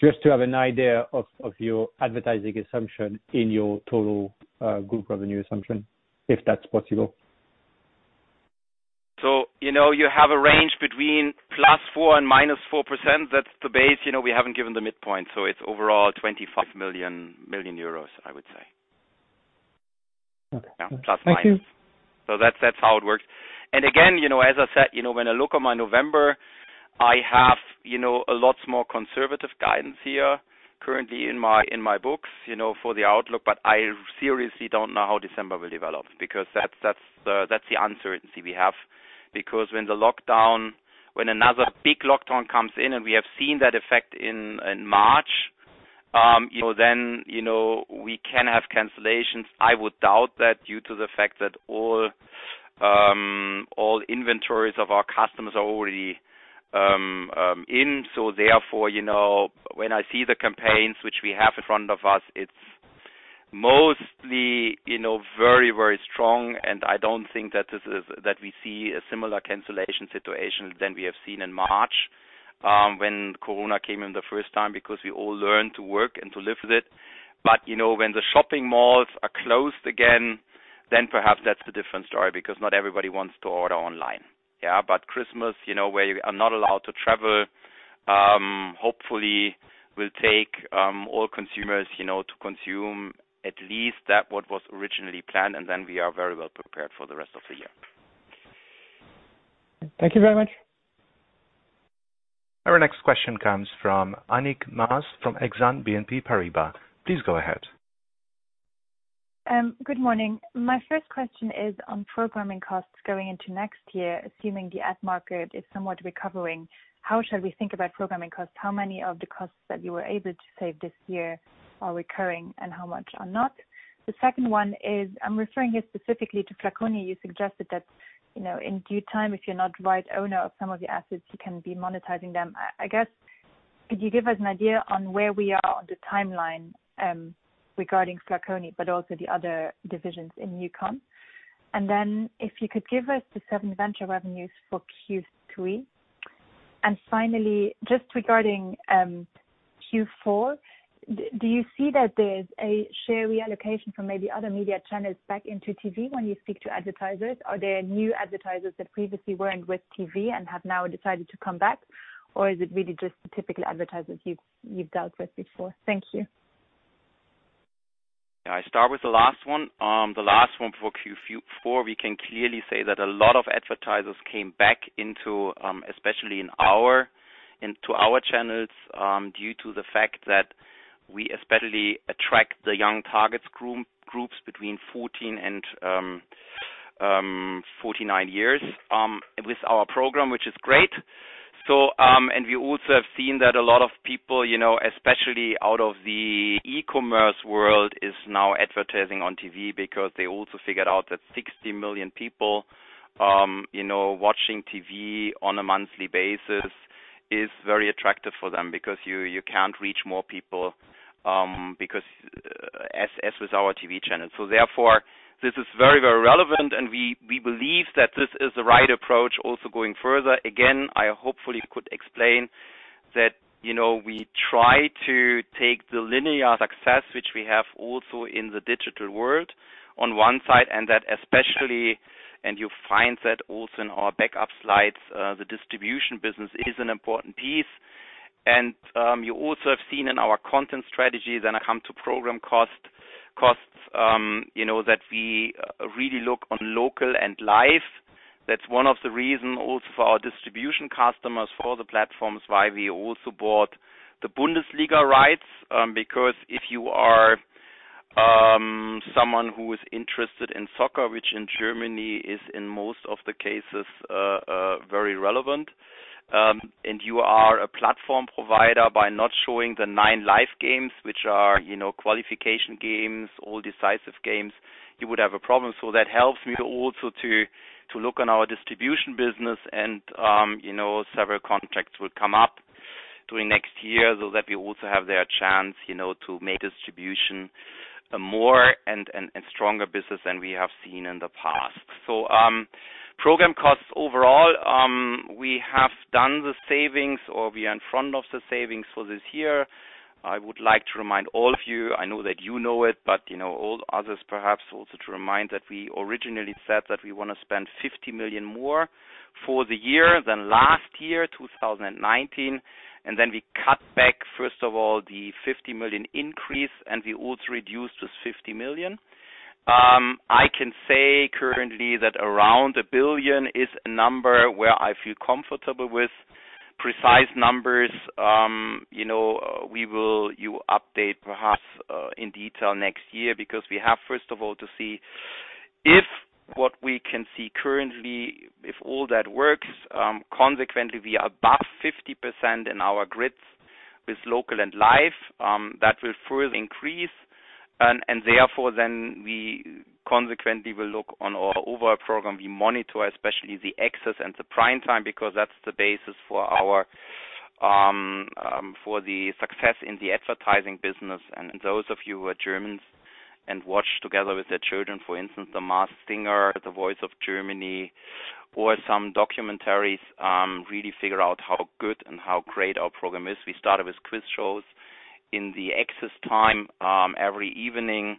Just to have an idea of your advertising assumption in your total group revenue assumption, if that's possible. You have a range between +4% and -4%. That's the base. We haven't given the midpoint, it's overall 25 million, I would say. Okay. Yeah. Plus minus. Thank you. That's how it works. Again, as I said, when I look on my November, I have a lots more conservative guidance here currently in my books, for the outlook, but I seriously don't know how December will develop because that's the uncertainty we have, because when another big lockdown comes in, and we have seen that effect in March, then we can have cancellations. I would doubt that due to the fact that all inventories of our customers are already in. Therefore, when I see the campaigns which we have in front of us, it's mostly very strong, and I don't think that we see a similar cancellation situation than we have seen in March, when COVID came in the first time because we all learned to work and to live with it. When the shopping malls are closed again, then perhaps that's the different story because not everybody wants to order online. Yeah. Christmas, where you are not allowed to travel, hopefully will take all consumers, to consume at least that what was originally planned, and then we are very well prepared for the rest of the year. Thank you very much. Our next question comes from Annick Maas from Exane BNP Paribas. Please go ahead. Good morning. My first question is on programming costs going into next year, assuming the ad market is somewhat recovering, how should we think about programming costs? How many of the costs that you were able to save this year are recurring and how much are not? The second one is, I'm referring here specifically to Flaconi. You suggested that, in due time, if you're not right owner of some of the assets, you can be monetizing them. I guess, could you give us an idea on where we are on the timeline, regarding Flaconi, but also the other divisions in NuCom? If you could give us the SevenVentures revenues for Q3. Finally, just regarding Q4, do you see that there's a share reallocation from maybe other media channels back into TV when you speak to advertisers? Are there new advertisers that previously weren't with TV and have now decided to come back? Or is it really just the typical advertisers you've dealt with before? Thank you. Yeah, I start with the last one. The last one for Q4, we can clearly say that a lot of advertisers came back into, especially into our channels, due to the fact that we especially attract the young target groups between 14 and 49 years with our program, which is great. We also have seen that a lot of people, especially out of the e-commerce world, is now advertising on TV because they also figured out that 60 million people watching TV on a monthly basis is very attractive for them because you can't reach more people, as with our TV channel. Therefore, this is very relevant, and we believe that this is the right approach also going further. Again, I hopefully could explain that we try to take the linear success, which we have also in the digital world, on one side, and that especially, and you find that also in our backup slides, the distribution business is an important piece. You also have seen in our content strategies and come to program costs, that we really look on local and live. That's one of the reason also for our distribution customers for the platforms, why we also bought the Bundesliga rights. If you are someone who is interested in soccer, which in Germany is in most of the cases very relevant, and you are a platform provider, by not showing the nine live games, which are qualification games, all decisive games, you would have a problem. That helps me also to look on our distribution business and several contracts will come up during next year, so that we also have their chance to make distribution more and stronger business than we have seen in the past. Program costs overall, we have done the savings, or we are in front of the savings for this year. I would like to remind all of you, I know that you know it, but all others perhaps also to remind that we originally said that we want to spend 50 million more for the year than last year, 2019. We cut back, first of all, the 50 million increase. We also reduced this 50 million. I can say currently that around 1 billion is a number where I feel comfortable with. Precise numbers, you will update perhaps in detail next year, because we have, first of all, to see if what we can see currently, if all that works. Consequently, we are above 50% in our grids with local and live. That will further increase, and therefore, then we consequently will look on our overall program. We monitor especially the access and the prime time, because that's the basis for the success in the advertising business. Those of you who are Germans and watch together with their children, for instance, "The Masked Singer," "The Voice of Germany," or some documentaries, really figure out how good and how great our program is. We started with quiz shows in the access time, every evening,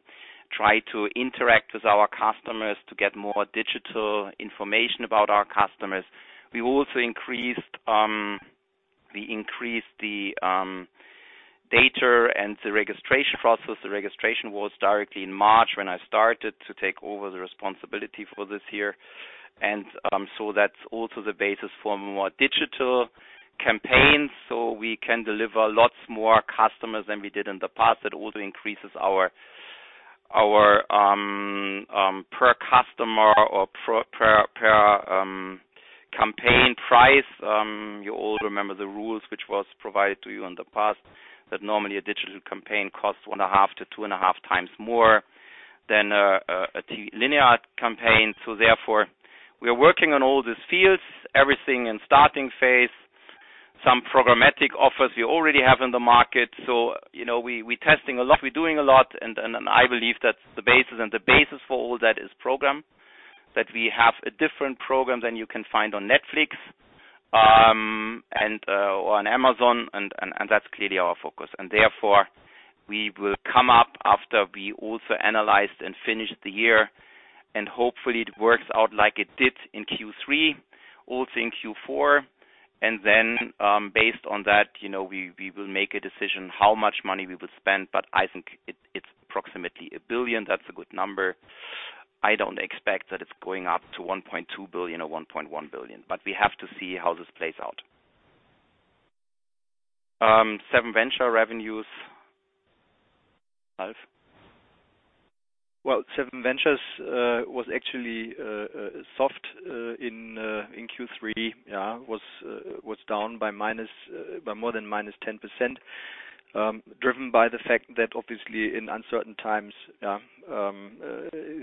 try to interact with our customers to get more digital information about our customers. We also increased the data and the registration process. The registration was directly in March when I started to take over the responsibility for this year. That's also the basis for more digital campaigns, so we can deliver lots more customers than we did in the past. That also increases our per customer or per campaign price. You all remember the rules which was provided to you in the past, that normally a digital campaign costs 1.5 to 2.5x more than a linear campaign. Therefore, we are working on all these fields, everything in starting phase. Some programmatic offers we already have in the market. We're testing a lot, we're doing a lot, and I believe that the basis for all that is program, that we have a different program than you can find on Netflix, and on Amazon, and that's clearly our focus. Therefore, we will come up after we also analyzed and finished the year, and hopefully it works out like it did in Q3, also in Q4. Then, based on that, we will make a decision how much money we will spend, but I think it's approximately 1 billion. That's a good number. I don't expect that it's going up to 1.2 billion or 1.1 billion, but we have to see how this plays out. SevenVentures revenues. Ralf? Well, SevenVentures was actually soft in Q3, was down by more than -10%, driven by the fact that obviously in uncertain times,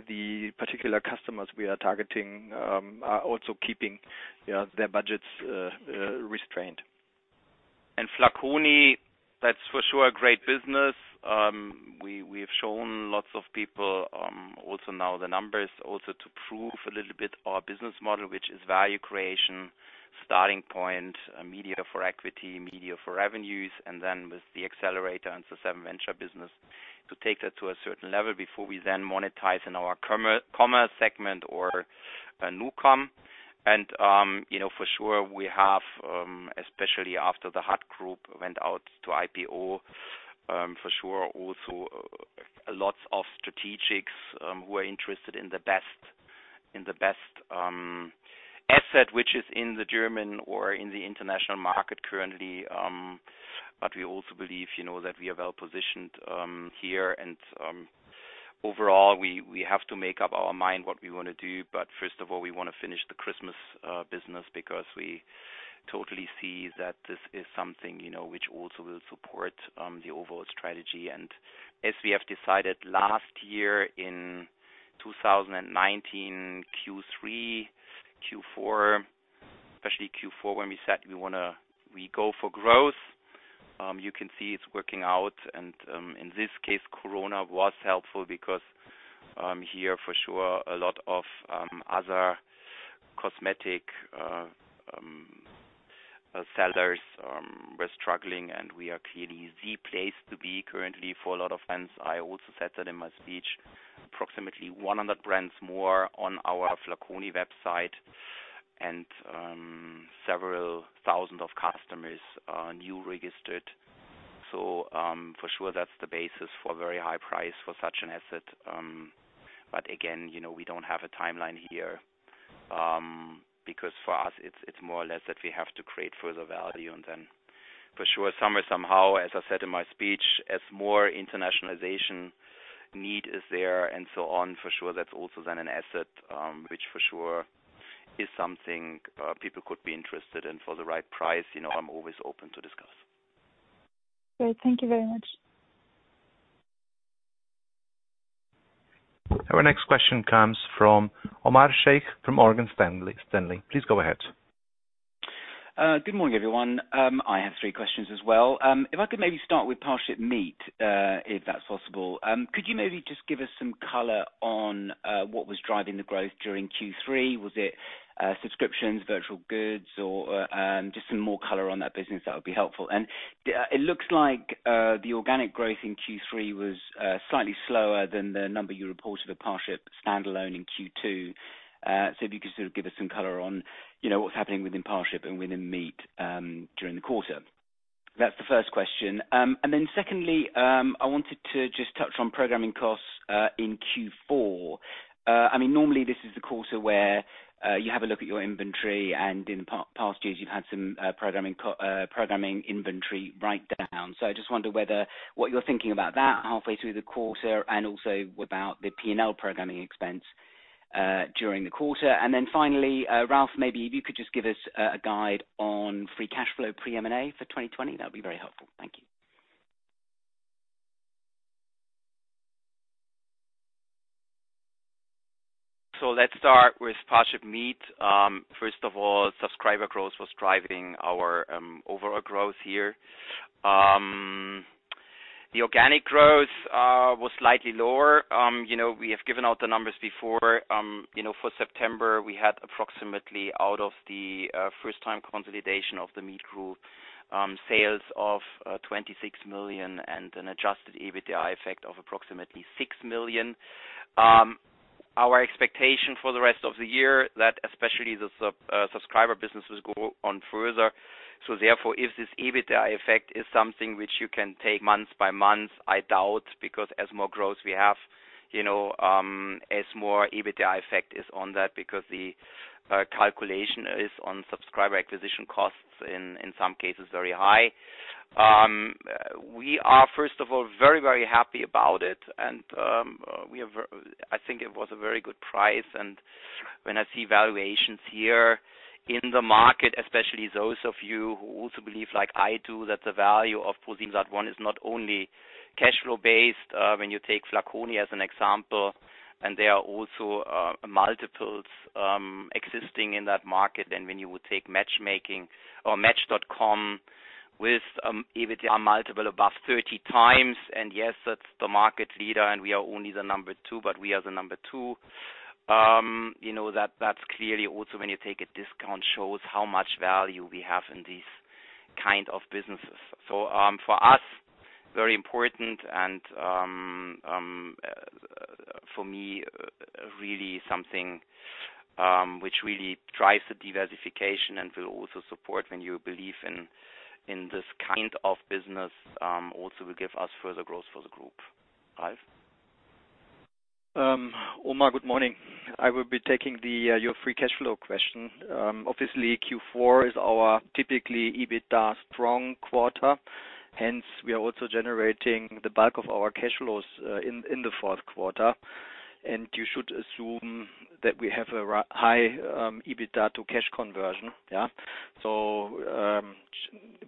the particular customers we are targeting are also keeping their budgets restrained. Flaconi, that's for sure a great business. We have shown lots of people, also now the numbers also to prove a little bit our business model, which is value creation, starting point, media-for-equity, media-for-revenue, and then with the accelerator and the SevenVentures business to take that to a certain level before we then monetize in our commerce segment or NuCom. For sure we have, especially after The Hut Group went out to IPO, for sure also lots of strategics who are interested in the best asset, which is in the German or in the international market currently. We also believe that we are well-positioned here. Overall, we have to make up our mind what we want to do. First of all, we want to finish the Christmas business because we totally see that this is something which also will support the overall strategy. As we have decided last year in 2019 Q3, Q4, especially Q4, when we said we go for growth, you can see it's working out. In this case, Corona was helpful because here for sure a lot of other cosmetic sellers were struggling and we are clearly the place to be currently for a lot of fans. I also said that in my speech, approximately 100 brands more on our Flaconi website and several thousands of customers are new registered. For sure, that's the basis for a very high price for such an asset. Again, we don't have a timeline here because for us it's more or less that we have to create further value. For sure, somewhere, somehow, as I said in my speech, as more internationalization need is there and so on, for sure that is also then an asset which for sure is something people could be interested in. For the right price, I am always open to discuss. Great. Thank you very much. Our next question comes from Omar Sheikh from Morgan Stanley. Please go ahead. Good morning, everyone. I have three questions as well. If I could maybe start with ParshipMeet, if that's possible. Could you maybe just give us some color on what was driving the growth during Q3? Was it subscriptions, virtual goods, or just some more color on that business, that would be helpful. It looks like the organic growth in Q3 was slightly slower than the number you reported of Parship standalone in Q2. If you could sort of give us some color on what's happening within Parship and within Meet during the quarter. That's the first question. Secondly, I wanted to just touch on programming costs in Q4. Normally this is the quarter where you have a look at your inventory, and in past years you've had some programming inventory write down. I just wonder whether what you're thinking about that halfway through the quarter, and also about the P&L programming expense during the quarter. Finally, Ralf, maybe if you could just give us a guide on free cash flow pre-M&A for 2020, that would be very helpful. Thank you. Let's start with ParshipMeet. First of all, subscriber growth was driving our overall growth here. The organic growth was slightly lower. We have given out the numbers before. For September we had approximately out of the first time consolidation of The Meet Group, sales of 26 million and an adjusted EBITDA effect of approximately 6 million. Our expectation for the rest of the year that especially the subscriber businesses go on further. Therefore, if this EBITDA effect is something which you can take month by month, I doubt because as more growth we have, as more EBITDA effect is on that because the calculation is on subscriber acquisition costs in some cases very high. We are first of all very happy about it and I think it was a very good price. When I see valuations here in the market, especially those of you who also believe like I do, that the value of ProSiebenSat.1 is not only cash flow based. There are also multiples existing in that market. When you would take Match.com with EBITDA multiple above 30x and yes, that's the market leader and we are only the number two, but we are the number two. That's clearly also when you take a discount shows how much value we have in these kind of businesses. For us very important and for me really something which really drives the diversification and will also support when you believe in this kind of business, also will give us further growth for the group. Ralf? Omar, good morning. I will be taking your free cash flow question. Q4 is our typically EBITDA strong quarter. We are also generating the bulk of our cash flows in the fourth quarter. You should assume that we have a high EBITDA to cash conversion.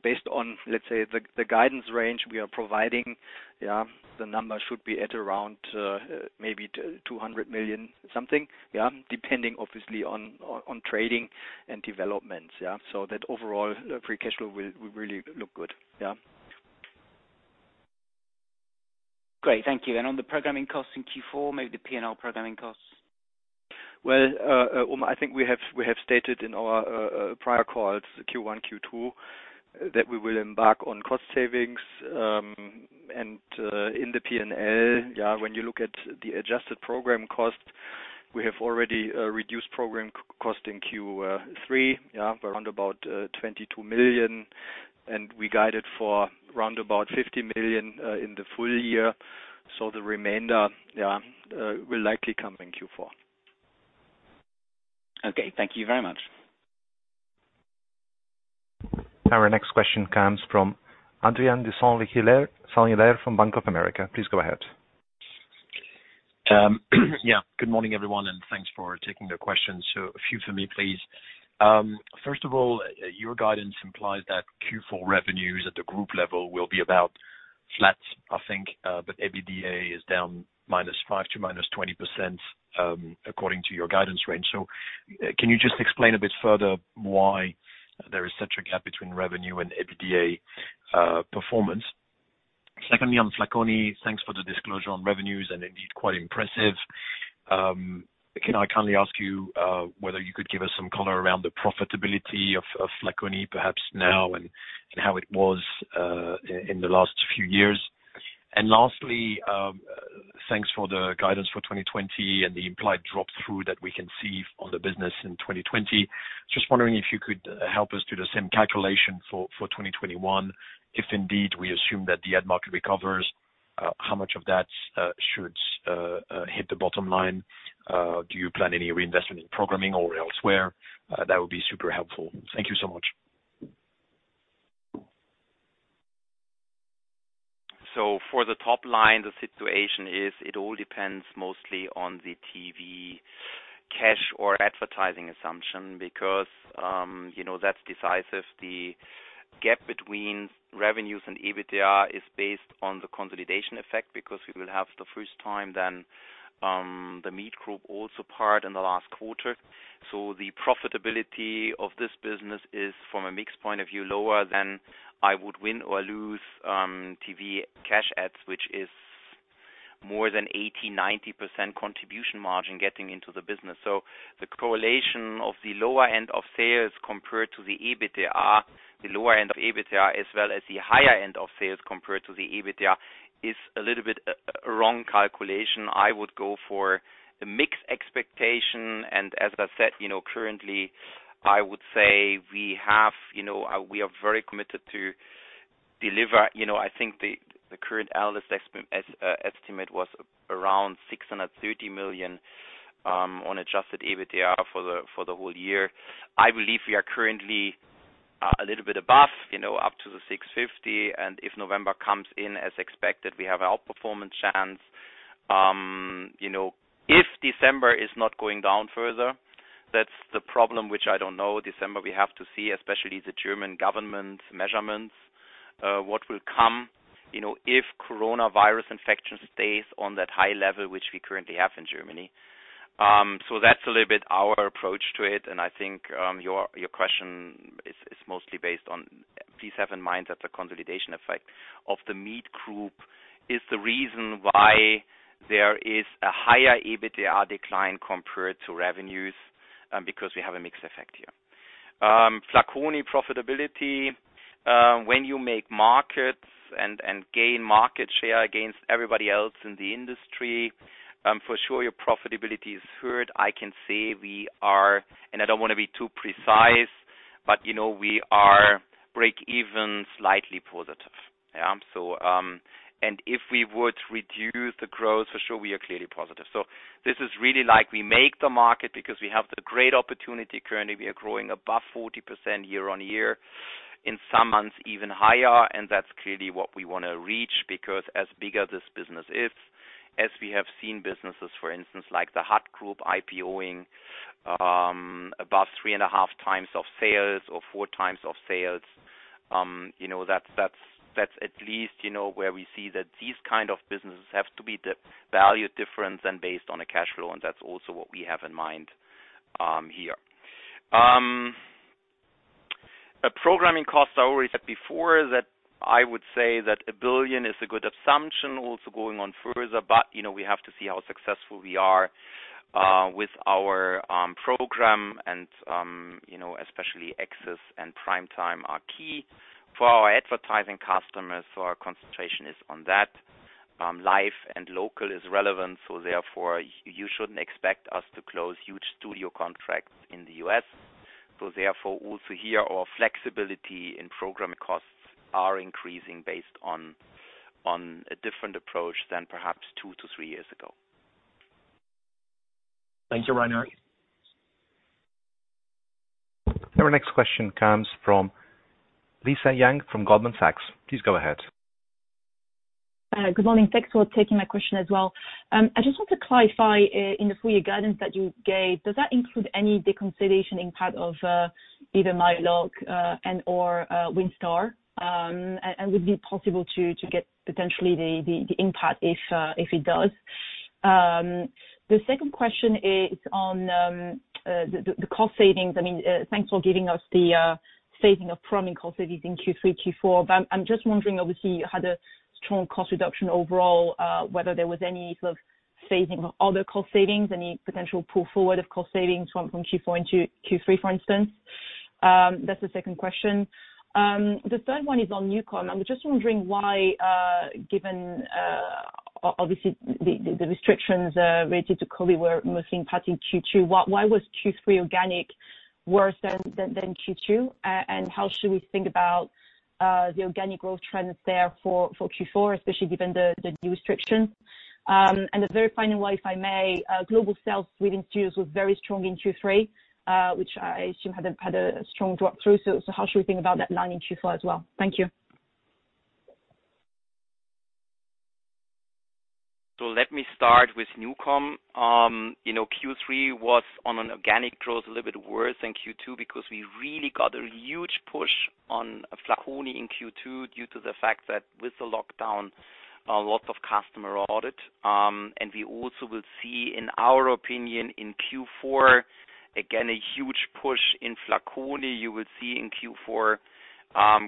Based on, let's say the guidance range we are providing, the number should be at around maybe 200 million something. Depending obviously on trading and developments. That overall free cash flow will really look good. Great, thank you. On the programming costs in Q4, maybe the P&L programming costs. Well, Omar, I think we have stated in our prior calls, Q1, Q2, that we will embark on cost savings. In the P&L, when you look at the adjusted program cost, we have already reduced program cost in Q3, around about 22 million. We guided for around about 50 million in the full year, the remainder will likely come in Q4. Okay. Thank you very much. Our next question comes from Adrien de Saint Hilaire from Bank of America. Please go ahead. Yeah. Good morning, everyone, and thanks for taking the questions. A few for me, please. First of all, your guidance implies that Q4 revenues at the group level will be about flat, I think, but EBITDA is down -5% to -20% according to your guidance range. Can you just explain a bit further why there is such a gap between revenue and EBITDA performance? Secondly, on Flaconi, thanks for the disclosure on revenues and indeed quite impressive. Can I kindly ask you whether you could give us some color around the profitability of Flaconi perhaps now and how it was in the last few years? Lastly, thanks for the guidance for 2020 and the implied drop-through that we can see on the business in 2020. Just wondering if you could help us do the same calculation for 2021. If indeed we assume that the ad market recovers, how much of that should hit the bottom line? Do you plan any reinvestment in programming or elsewhere? That would be super helpful. Thank you so much. For the top line, the situation is it all depends mostly on the TV cash or advertising assumption, because that's decisive. The gap between revenues and EBITDA is based on the consolidation effect, because we will have the first time then The Meet Group also part in the last quarter. The profitability of this business is, from a mix point of view, lower than I would win or lose TV cash ads, which is more than 80%-90% contribution margin getting into the business. The correlation of the lower end of sales compared to the EBITDA, the lower end of EBITDA, as well as the higher end of sales compared to the EBITDA, is a little bit wrong calculation. I would go for the mix expectation, and as I said, currently I would say we are very committed to deliver. I think the current analyst estimate was around 630 million on adjusted EBITDA for the whole year. I believe we are currently a little bit above, up to 650, if November comes in as expected, we have outperformance chance. If December is not going down further, that's the problem, which I don't know. December, we have to see, especially the German government measurements, what will come if coronavirus infection stays on that high level which we currently have in Germany. That's a little bit our approach to it, I think your question is mostly based on please have in mind that the consolidation effect of The Meet Group is the reason why there is a higher EBITDA decline compared to revenues, because we have a mix effect here. Flaconi profitability. When you make markets and gain market share against everybody else in the industry, for sure, your profitability is heard. I can say we are, and I don't want to be too precise, but we are break-even, slightly positive. If we would reduce the growth, for sure we are clearly positive. This is really like we make the market because we have the great opportunity. Currently, we are growing above 40% year-on-year, in some months even higher, that's clearly what we want to reach, because as bigger this business is, as we have seen businesses, for instance, like The Hut Group IPOing above 3.5x of sales or 4x of sales. That's at least where we see that these kind of businesses have to be the value difference and based on a cash flow, and that's also what we have in mind here. Programming costs. I already said before that I would say that 1 billion is a good assumption also going on further. We have to see how successful we are with our program and especially access and prime time are key for our advertising customers. Our concentration is on that. Live and local is relevant. Therefore, you shouldn't expect us to close huge studio contracts in the U.S. Therefore, also here, our flexibility in programming costs are increasing based on a different approach than perhaps two to three years ago. Thanks a lot. Our next question comes from Lisa Yang from Goldman Sachs. Please go ahead. Good morning. Thanks for taking my question as well. I just want to clarify in the full year guidance that you gave, does that include any deconsolidation impact of either myLoc and/or WindStar? Would it be possible to get potentially the impact if it does? The second question is on the cost savings. Thanks for giving us the saving of prominent cost savings in Q3, Q4. I'm just wondering, obviously, you had a strong cost reduction overall, whether there was any sort of phasing of other cost savings, any potential pull forward of cost savings from Q4 into Q3, for instance. That's the second question. The third one is on NuCom. I'm just wondering why, given, obviously, the restrictions related to COVID-19 were mostly in part in Q2. Why was Q3 organic worse than Q2? How should we think about the organic growth trends there for Q4, especially given the new restriction? The very final one, if I may, global sales within Studios was very strong in Q3, which I assume had a strong drop through. How should we think about that line in Q4 as well? Thank you. Let me start with NuCom. Q3 was on an organic growth a little bit worse than Q2 because we really got a huge push on Flaconi in Q2 due to the fact that with the lockdown, lots of customer audit. We also will see, in our opinion, in Q4, again, a huge push in Flaconi. You will see in Q4, I'm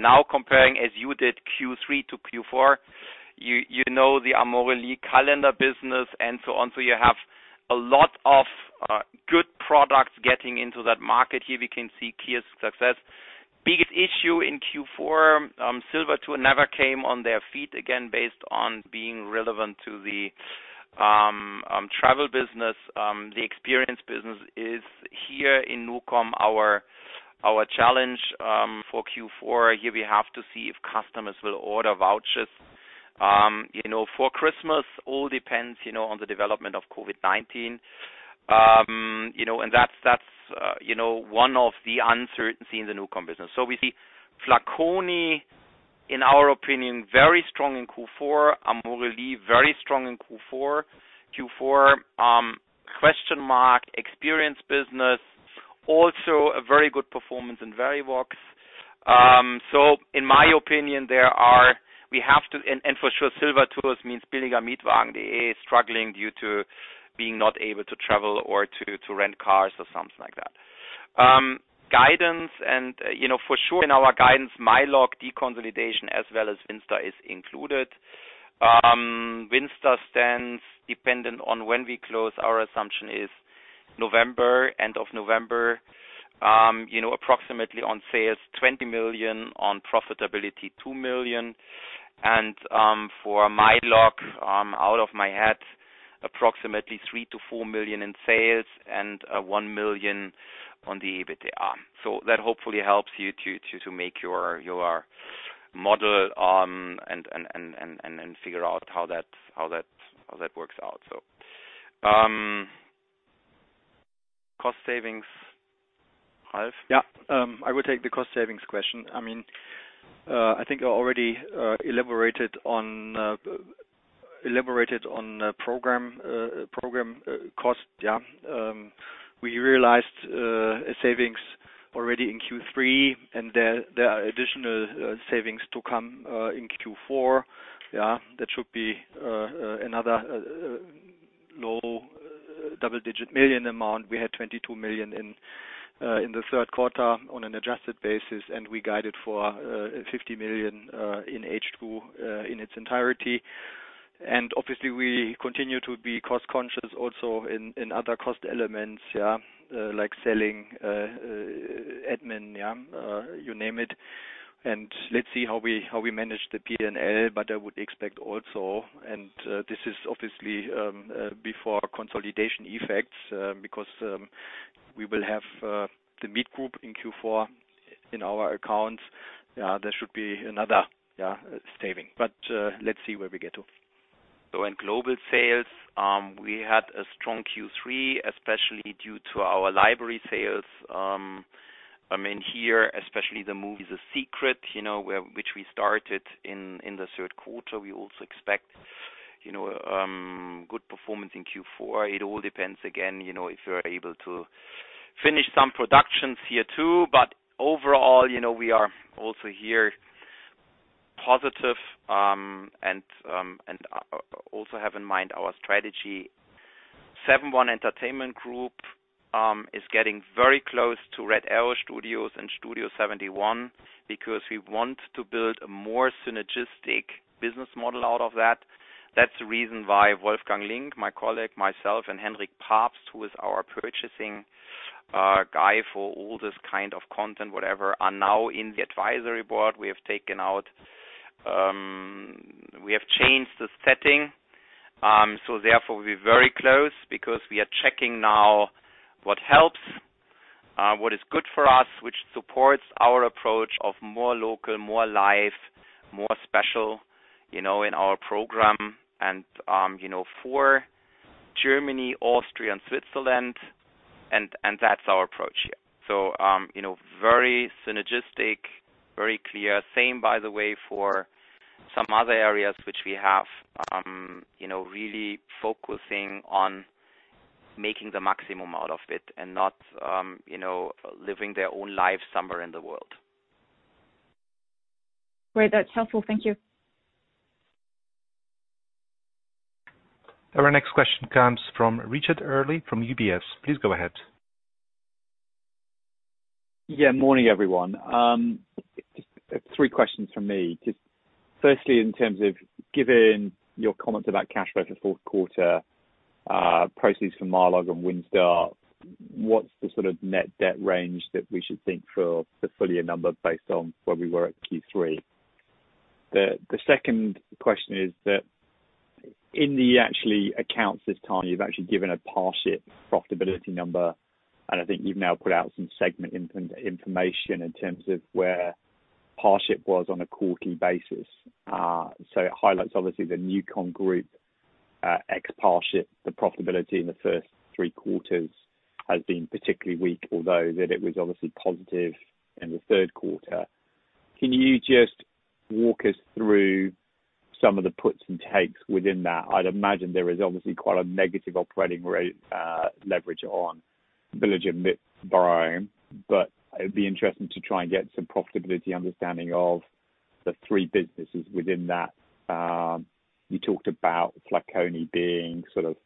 now comparing, as you did Q3 to Q4. You know the Amorelie calendar business and so on. You have a lot of good products getting into that market. Here we can see clear success. Biggest issue in Q4, SilverTours never came on their feet again based on being relevant to the travel business. The experience business is here in NuCom, our challenge for Q4. Here we have to see if customers will order vouchers. For Christmas, all depends on the development of COVID-19. That's one of the uncertainty in the NuCom business. We see Flaconi, in our opinion, very strong in Q4. Amorelie, very strong in Q4. Q4, question mark, experience business. Also a very good performance in Verivox. In my opinion, and for sure, SilverTours means billiger-mietwagen.de. They are struggling due to being not able to travel or to rent cars or something like that. Guidance and for sure in our guidance, myLoc de consolidation as well as WindStar is included. WindStar stands dependent on when we close. Our assumption is November, end of November. Approximately on sales, 20 million, on profitability, 2 million. For myLoc, out of my head, approximately 3 million-4 million in sales and 1 million on the EBITDA. That hopefully helps you to make your model and figure out how that works out. Cost savings. Ralf? I will take the cost savings question. I think I already elaborated on program cost. We realized a savings already in Q3, and there are additional savings to come in Q4. That should be another low-double-digit million amount. We had 22 million in the third quarter on an adjusted basis, and we guided for 50 million in H2 in its entirety. Obviously, we continue to be cost-conscious also in other cost elements, like selling, admin, you name it. Let's see how we manage the P&L, but I would expect also, and this is obviously before consolidation effects, because we will have The Meet Group in Q4 in our accounts. There should be another saving. Let's see where we get to. In global sales, we had a strong Q3, especially due to our library sales. In here, especially the movie The Secret, which we started in the third quarter. We also expect good performance in Q4. It all depends, again, if we're able to finish some productions here, too. Overall, we are also here positive, and also have in mind our strategy. Seven.One Entertainment Group is getting very close to Red Arrow Studios and Studio71 because we want to build a more synergistic business model out of that. That's the reason why Wolfgang Link, my colleague, myself, and Henrik Pabst, who is our purchasing guy for all this kind of content, whatever, are now in the advisory board. We have changed the setting. Therefore, we're very close because we are checking now what helps, what is good for us, which supports our approach of more local, more live, more special in our program, and for Germany, Austria, and Switzerland. That's our approach. Very synergistic, very clear. Same, by the way, for some other areas which we have, really focusing on making the maximum out of it and not living their own life somewhere in the world. Great. That's helpful. Thank you. Our next question comes from Richard Eary from UBS. Please go ahead. Morning, everyone. Just three questions from me. Firstly, in terms of giving your comments about cash flow for fourth quarter, proceeds from myLoc and WindStar. what's the sort of net debt range that we should think for the full year number based on where we were at Q3? The second question is that in the actual accounts this time, you've actually given a Parship profitability number, and I think you've now put out some segment information in terms of where Parship was on a quarterly basis. It highlights, obviously, the NuCom Group ex Parship, the profitability in the first three quarters has been particularly weak, although that it was obviously positive in the third quarter. Can you just walk us through some of the puts and takes within that? I'd imagine there is obviously quite a negative operating rate leverage on billiger-mietwagen.de, but it'd be interesting to try and get some profitability understanding of the three businesses within that. You talked about Flaconi being sort of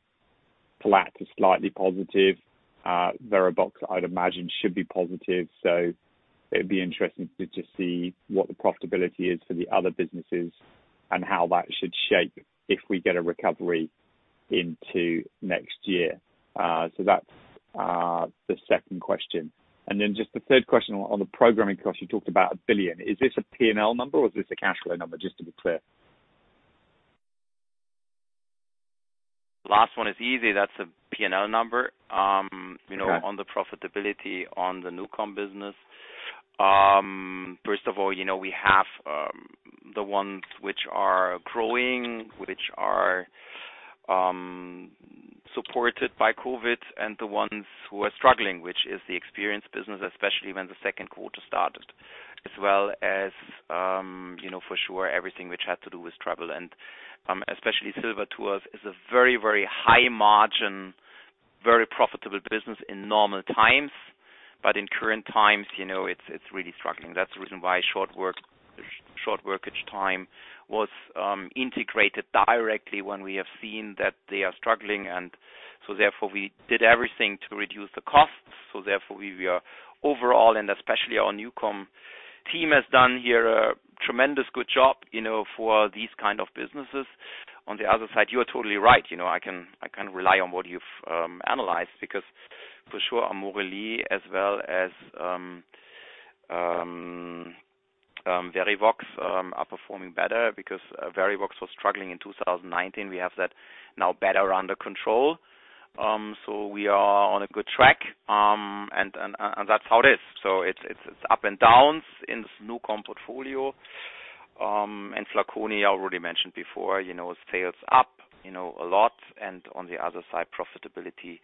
flat to slightly positive. Verivox, I'd imagine, should be positive. It'd be interesting to just see what the profitability is for the other businesses and how that should shape if we get a recovery into next year. Just the third question on the programming cost, you talked about 1 billion. Is this a P&L number or is this a cash flow number, just to be clear? Last one is easy. That's a P&L number. Okay. On the profitability on the NuCom business. First of all, we have the ones which are growing, which are supported by COVID, and the ones who are struggling, which is the experience business, especially when the second quarter started, as well as, for sure, everything which had to do with travel. Especially SilverTours is a very high margin, very profitable business in normal times. In current times, it's really struggling. That's the reason why short work each time was integrated directly when we have seen that they are struggling, therefore, we did everything to reduce the costs. Therefore, we are overall, and especially our NuCom team has done here a tremendous good job for these kind of businesses. On the other side, you are totally right. I can rely on what you've analyzed because for sure, Amorelie as well as Verivox are performing better because Verivox was struggling in 2019. We have that now better under control. We are on a good track, and that's how it is. It's up and downs in this NuCom portfolio. Flaconi, I already mentioned before, sales up a lot, and on the other side, profitability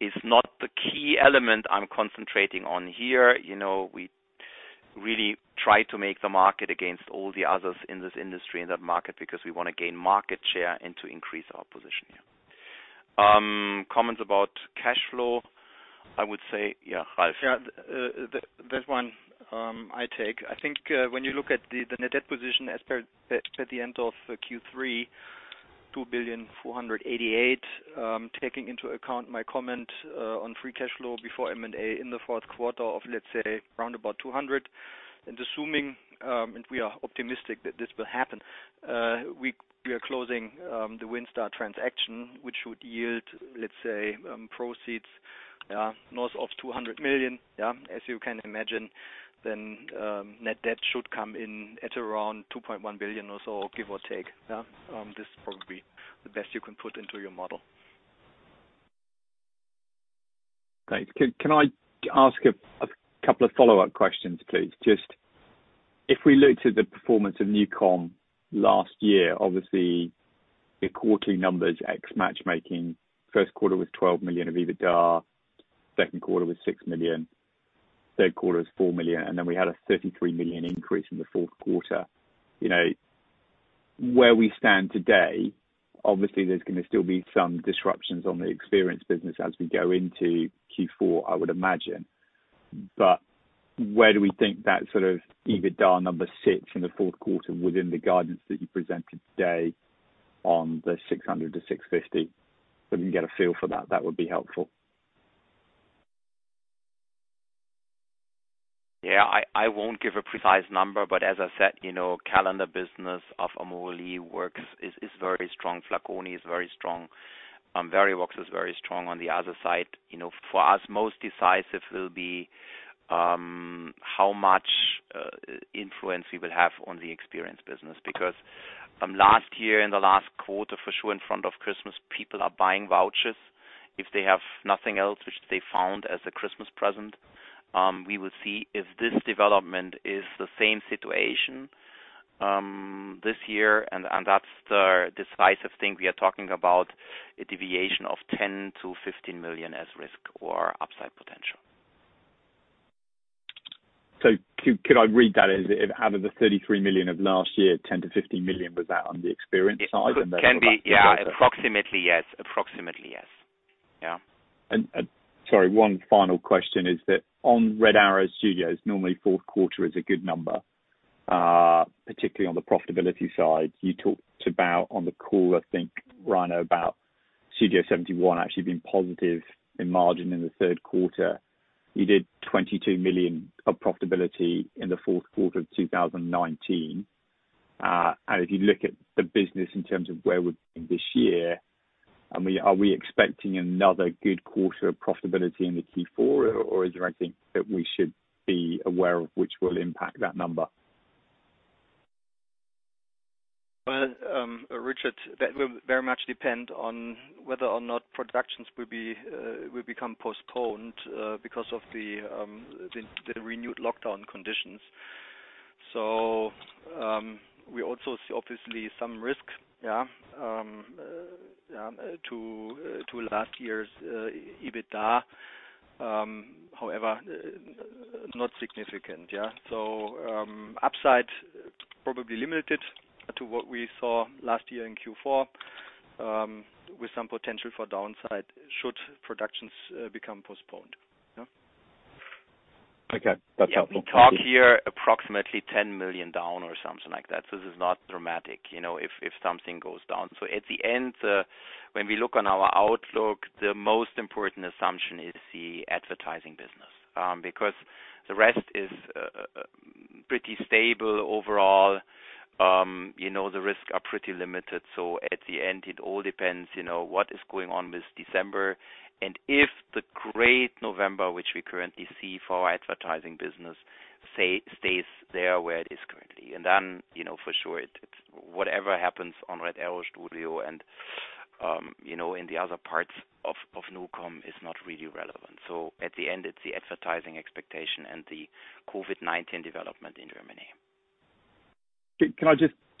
is not the key element I'm concentrating on here. We really try to make the market against all the others in this industry, in that market, because we want to gain market share and to increase our position here. Comments about cash flow, I would say, yeah, Ralf. Yeah. That one I take. I think when you look at the net debt position as per at the end of Q3, 2.488 billion, taking into account my comment on free cash flow before M&A in the fourth quarter of, let's say, around about 200 million. Assuming, and we are optimistic that this will happen, we are closing the WindStar transaction, which would yield, let's say, proceeds north of 200 million. As you can imagine, then net debt should come in at around 2.1 billion or so, give or take. Yeah. This is probably the best you can put into your model. Thanks. Can I ask a couple of follow-up questions, please? If we look to the performance of NuCom last year, obviously, your quarterly numbers, ex matchmaking, first quarter was 12 million of EBITDA, second quarter was 6 million, third quarter was 4 million, and then we had a 33 million increase in the fourth quarter. Where we stand today, obviously, there's going to still be some disruptions on the experience business as we go into Q4, I would imagine. Where do we think that sort of EBITDA number sits in the fourth quarter within the guidance that you presented today on the 600 million-650 million? If you can get a feel for that would be helpful. Yeah, I won't give a precise number, but as I said, calendar business of Amorelie is very strong. Flaconi is very strong. Verivox is very strong on the other side. For us, most decisive will be how much influence we will have on the experience business, because last year in the last quarter, for sure, in front of Christmas, people are buying vouchers if they have nothing else, which they found as a Christmas present. We will see if this development is the same situation this year, and that's the decisive thing. We are talking about a deviation of 10 million-15 million as risk or upside potential. Could I read that as out of the 33 million of last year, 10 million-15 million, was that on the experience side and then? It can be, yeah. Approximately, yes. Sorry, one final question is that on Red Arrow Studios, normally fourth quarter is a good number, particularly on the profitability side. You talked about on the call, I think, Rainer, about Studio71 actually being positive in margin in the third quarter. You did 22 million of profitability in the fourth quarter of 2019. If you look at the business in terms of where we're going this year, are we expecting another good quarter of profitability in the Q4, or is there anything that we should be aware of which will impact that number? Well, Richard, that will very much depend on whether or not productions will become postponed because of the renewed lockdown conditions. We also see obviously some risks to last year's EBITDA. However, not significant. Upside probably limited to what we saw last year in Q4, with some potential for downside should productions become postponed. Okay. That's helpful. We talk here approximately 10 million down or something like that. This is not dramatic, if something goes down. At the end, when we look on our outlook, the most important assumption is the advertising business. The rest is pretty stable overall. The risks are pretty limited, at the end, it all depends what is going on this December. If the great November, which we currently see for our advertising business, stays there where it is currently. Then, for sure, whatever happens on Red Arrow Studios and in the other parts of NuCom is not really relevant. At the end, it's the advertising expectation and the COVID-19 development in Germany.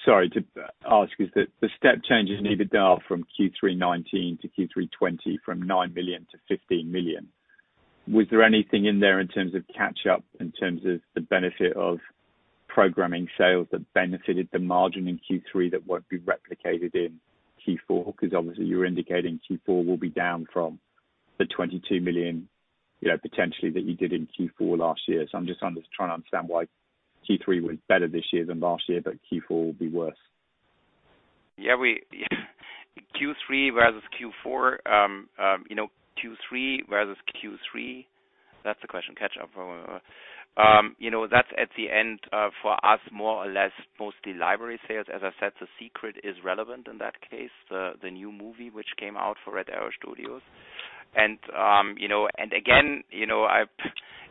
Sorry to ask, is it the step changes in EBITDA from Q3 2019 to Q3 2020 from 9 million-15 million? Was there anything in there in terms of catch-up, in terms of the benefit of programming sales that benefited the margin in Q3 that won't be replicated in Q4? Obviously you're indicating Q4 will be down from the 22 million, potentially that you did in Q4 last year. I'm just trying to understand why Q3 was better this year than last year, but Q4 will be worse. Yeah. Q3 versus Q4. Q3 versus Q3. That's the question. Catch up. That's at the end for us, more or less mostly library sales. As I said, The Secret is relevant in that case, the new movie which came out for Red Arrow Studios. Again,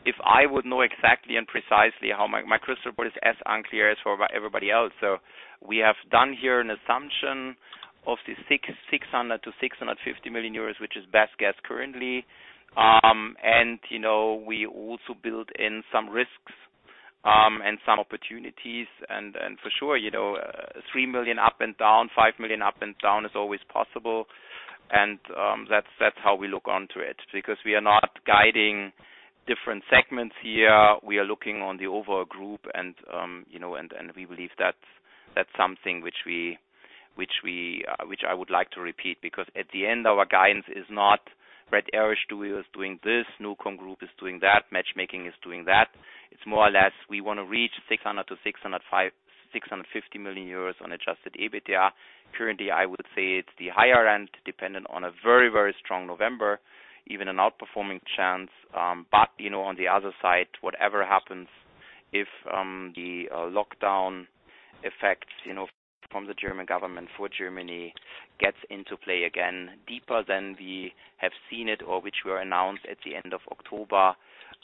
if I would know exactly and precisely how my crystal ball is as unclear as for everybody else. We have done here an assumption of the 600 million-650 million euros, which is best guess currently. We also build in some risks, some opportunities, for sure, 3 million up and down, 5 million up and down is always possible. That's how we look onto it. Because we are not guiding different segments here. We are looking on the overall group we believe that's something which I would like to repeat. Because at the end, our guidance is not Red Arrow Studios doing this, NuCom Group is doing that, Matchmaking is doing that. It's more or less, we want to reach 600 million-650 million euros on adjusted EBITDA. Currently, I would say it's the higher end, dependent on a very strong November, even an outperforming chance. On the other side, whatever happens, if the lockdown effects from the German government for Germany gets into play again deeper than we have seen it or which were announced at the end of October.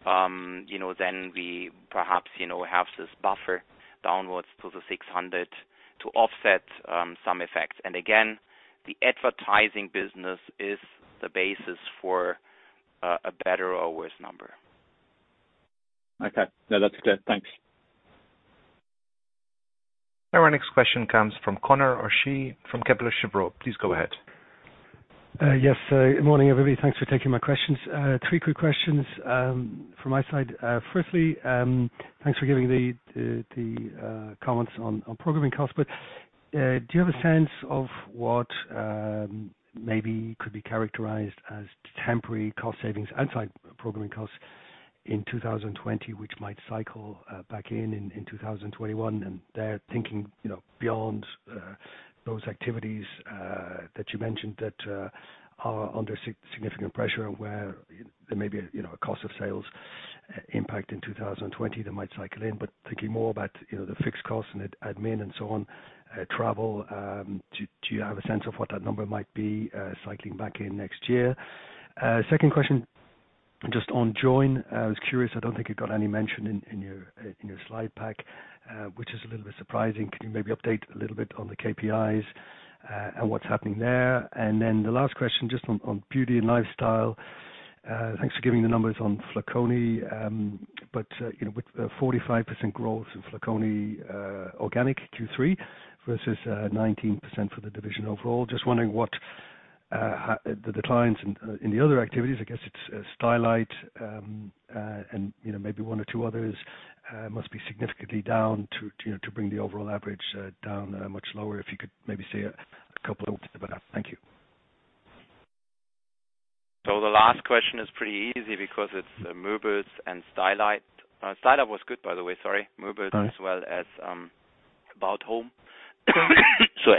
We perhaps have this buffer downwards to the 600 to offset some effects. Again, the advertising business is the basis for a better or worse number. Okay. No, that's clear. Thanks. Our next question comes from Conor O'Shea from Kepler Cheuvreux. Please go ahead. Yes. Good morning, everybody. Thanks for taking my questions. Three quick questions from my side. Firstly, thanks for giving the comments on programming costs. Do you have a sense of what maybe could be characterized as temporary cost savings outside programming costs in 2020, which might cycle back in 2021? Thinking beyond those activities that you mentioned that are under significant pressure where there may be a cost of sales impact in 2020 that might cycle in. Thinking more about the fixed costs and admin and so on, travel, do you have a sense of what that number might be cycling back in next year? Second question, just on Joyn. I was curious, I don't think it got any mention in your slide pack, which is a little bit surprising. Can you maybe update a little bit on the KPIs, and what's happening there? The last question, just on beauty and lifestyle. Thanks for giving the numbers on Flaconi. With the 45% growth in Flaconi organic Q3 versus 19% for the division overall, just wondering what the declines in the other activities, I guess it's Stylight, and maybe one or two others, must be significantly down to bring the overall average down much lower. If you could maybe say a couple of words about that. Thank you. The last question is pretty easy because it's moebel.de and Stylight. Stylight was good, by the way, sorry. moebel.de as well as About Home.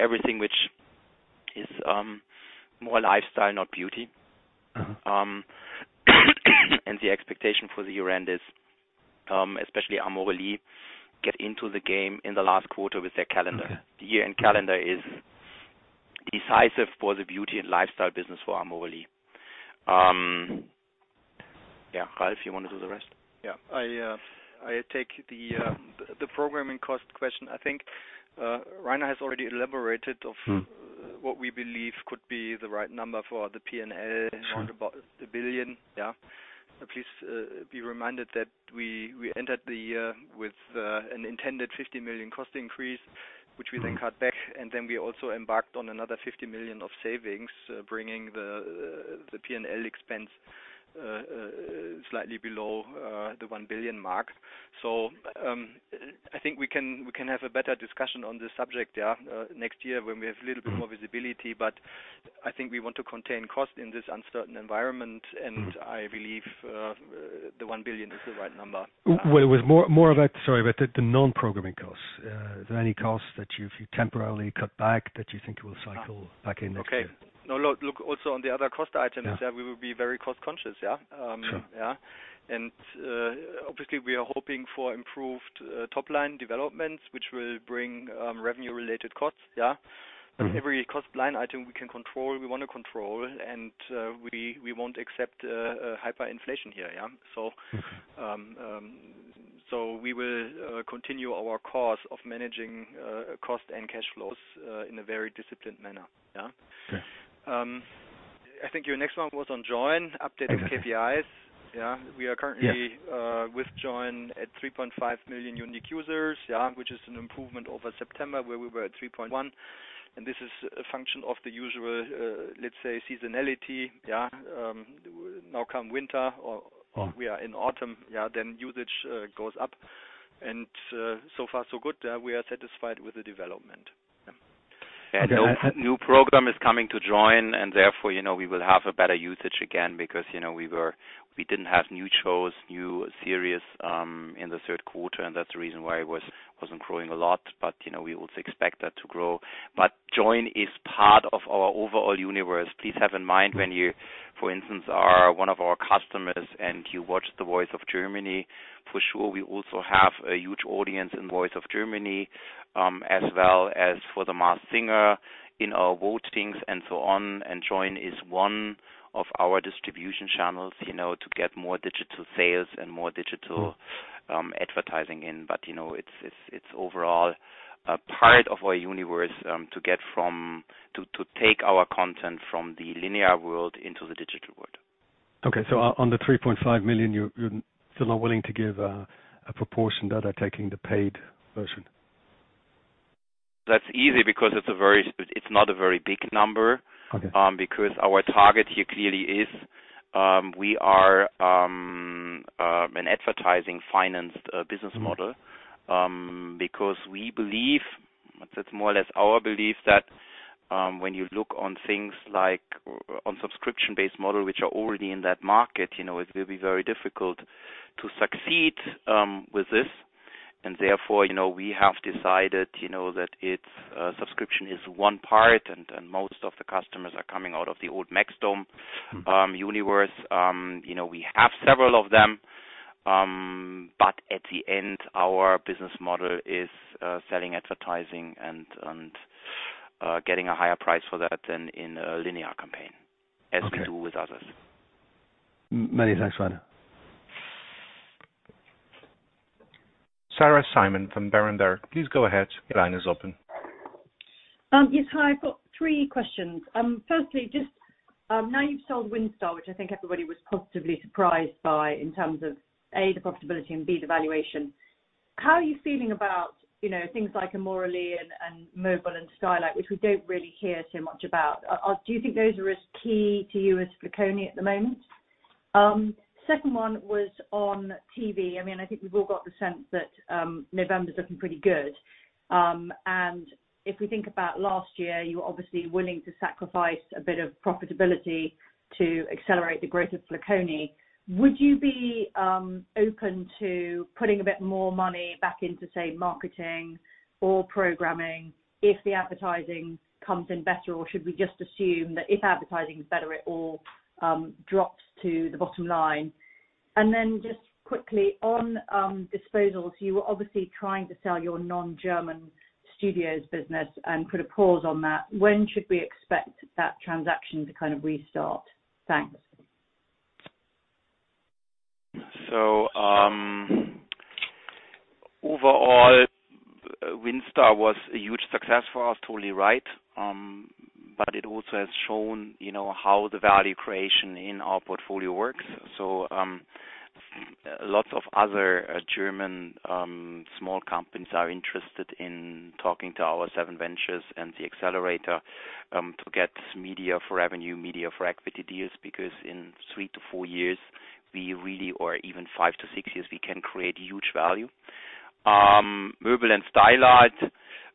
Everything whichMore lifestyle, not beauty. The expectation for the year end is, especially Amorelie, get into the game in the last quarter with their calendar. Okay. The year-end calendar is decisive for the beauty and lifestyle business for Amorelie. Yeah, Ralf, you want to do the rest? Yeah. I take the programming cost question. I think Rainer has already elaborated. What we believe could be the right number for the P&L. Sure. Around about 1 billion, yeah. Please be reminded that we ended the year with an intended 50 million cost increase. Cut back, and then we also embarked on another 50 million of savings, bringing the P&L expense slightly below the 1 billion mark. I think we can have a better discussion on this subject, yeah, next year when we have. Little bit more visibility, but I think we want to contain cost in this uncertain environment. I believe the 1 billion is the right number. Well, it was more about, sorry, about the non-programming costs. Is there any costs that you temporarily cut back that you think will cycle back in next year? Okay. No, look also on the other cost item. Yeah. Is that we will be very cost-conscious, yeah? Sure. Yeah. Obviously we are hoping for improved top-line developments, which will bring revenue-related costs, yeah? Every cost line item we can control, we want to control, and we won't accept hyperinflation here, yeah? We will continue our course of managing cost and cash flows in a very disciplined manner, yeah? Sure. I think your next one was on Joyn, KPIs, yeah. Yes. With Joyn at 3.5 million unique users. Yeah. Which is an improvement over September, where we were at 3.1 million, and this is a function of the usual, let's say, seasonality. Yeah. Now come winter. We are in autumn, yeah, then usage goes up, and so far so good. We are satisfied with the development, yeah. New program is coming to Joyn and therefore, we will have a better usage again because, we didn't have new shows, new series, in the third quarter, and that's the reason why it wasn't growing a lot, but we also expect that to grow. Joyn is part of our overall universe. Please have in mind when you, for instance, are one of our customers and you watch "The Voice of Germany," for sure we also have a huge audience in "Voice of Germany," as well as for "The Masked Singer" in our votings and so on, and Joyn is one of our distribution channels, to get more digital sales and more digital advertising in. It's overall a part of our universe, to take our content from the linear world into the digital world. Okay. On the 3.5 million, you're still not willing to give a proportion that are taking the paid version? That's easy because it's not a very big number. Okay. Our target here clearly is, we are an advertising-financed business model. Because we believe, that's more or less our belief, that when you look on things like on subscription-based model, which are already in that market, it will be very difficult to succeed with this. Therefore, we have decided that subscription is one part and most of the customers are coming out of the old Maxdome universe. We have several of them, but at the end, our business model is selling advertising and getting a higher price for that than in a linear campaign. Okay. As we do with others. Many thanks, Rainer. Sarah Simon from Berenberg, please go ahead. Your line is open. Yes. Hi, I've got three questions. Firstly, just now you've sold WindStar, which I think everybody was positively surprised by in terms of, A, the profitability, and B, the valuation. How are you feeling about things like Amorelie and moebel.de and Stylight, which we don't really hear so much about? Do you think those are as key to you as Flaconi at the moment? Second one was on TV. I think we've all got the sense that November's looking pretty good. If we think about last year, you were obviously willing to sacrifice a bit of profitability to accelerate the growth of Flaconi. Would you be open to putting a bit more money back into, say, marketing or programming if the advertising comes in better, or should we just assume that if advertising is better, it all drops to the bottom line? Just quickly on disposals, you were obviously trying to sell your non-German Studios business and put a pause on that. When should we expect that transaction to kind of restart? Thanks. Overall, WindStar was a huge success for us, totally right. It also has shown how the value creation in our portfolio works. Lots of other German small companies are interested in talking to our SevenVentures and the accelerator, to get media-for-revenue, media-for-equity deals, because in three to four years, we really, or even five to six years, we can create huge value. Moebel and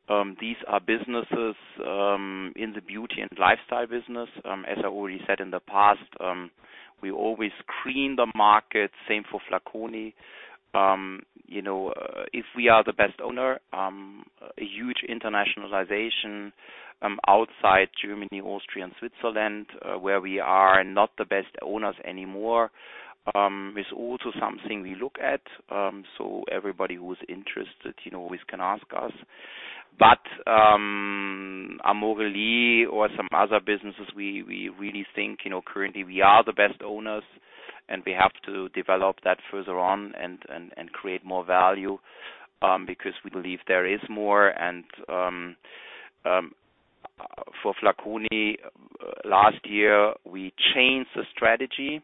Stylight, these are businesses in the beauty and lifestyle business. As I already said in the past. We always screen the market. Same for Flaconi. If we are the best owner, a huge internationalization outside Germany, Austria, and Switzerland, where we are not the best owners anymore, is also something we look at. Everybody who's interested always can ask us. Amorelie or some other businesses, we really think currently we are the best owners, and we have to develop that further on and create more value, because we believe there is more. For Flaconi, last year, we changed the strategy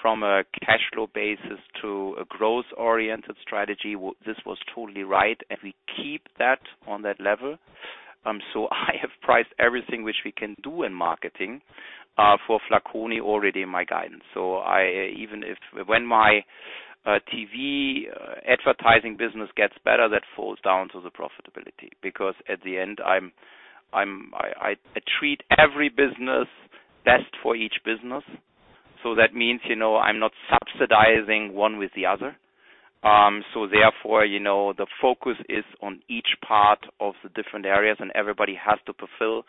from a cash flow basis to a growth-oriented strategy. This was totally right, and we keep that on that level. I have priced everything which we can do in marketing for Flaconi already in my guidance. Even if when my TV advertising business gets better, that falls down to the profitability. At the end, I treat every business best for each business. That means I'm not subsidizing one with the other. Therefore, the focus is on each part of the different areas, and everybody has to fulfill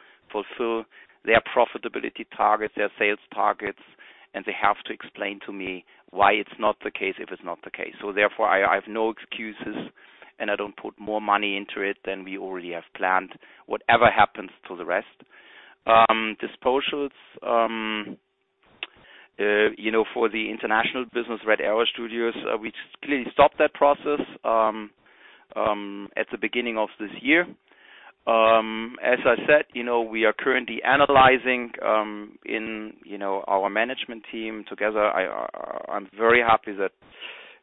their profitability targets, their sales targets, and they have to explain to me why it's not the case if it's not the case. Therefore, I have no excuses, and I don't put more money into it than we already have planned. Whatever happens to the rest. Disposals. For the international business, Red Arrow Studios, we clearly stopped that process at the beginning of this year. As I said, we are currently analyzing in our management team together. I'm very happy that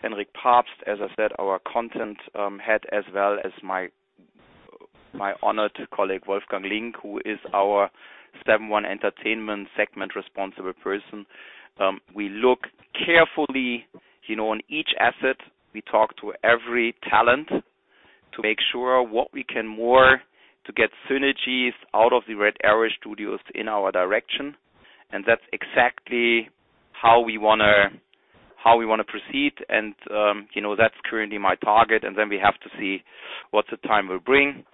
Henrik Pabst, as I said, our content head, as well as my honored colleague, Wolfgang Link, who is our Seven.One Entertainment segment responsible person. We look carefully on each asset. We talk to every talent to make sure what we can more to get synergies out of the Red Arrow Studios in our direction, and that's exactly how we want to proceed, and that's currently my target, and then we have to see what the time will bring.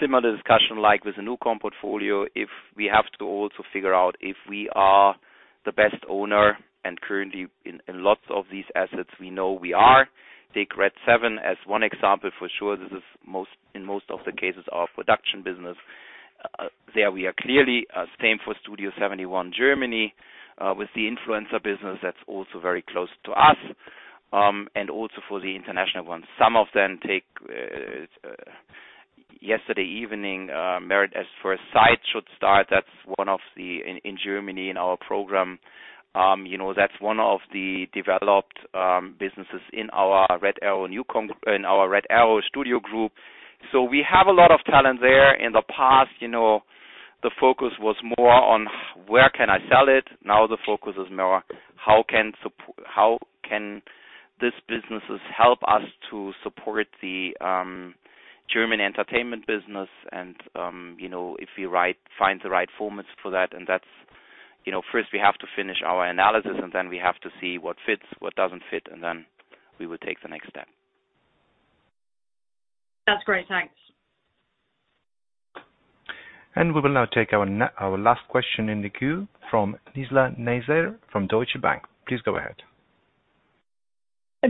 Similar discussion like with the NuCom portfolio, if we have to also figure out if we are the best owner, and currently in lots of these assets, we know we are. Take RedSeven Entertainment as one example for sure. This is in most of the cases our production business. There we are clearly. Same for Studio71 Germany. With the influencer business, that's also very close to us, and also for the international ones. Some of them yesterday evening, Married at First Sight should start. That's one in Germany in our program. That's one of the developed businesses in our Red Arrow Studios group. We have a lot of talent there. In the past, the focus was more on where can I sell it? Now the focus is more on how can these businesses help us to support the German entertainment business, and if we find the right formats for that. First we have to finish our analysis, and then we have to see what fits, what doesn't fit, and then we will take the next step. That's great. Thanks. We will now take our last question in the queue from Nizla Naizer from Deutsche Bank. Please go ahead.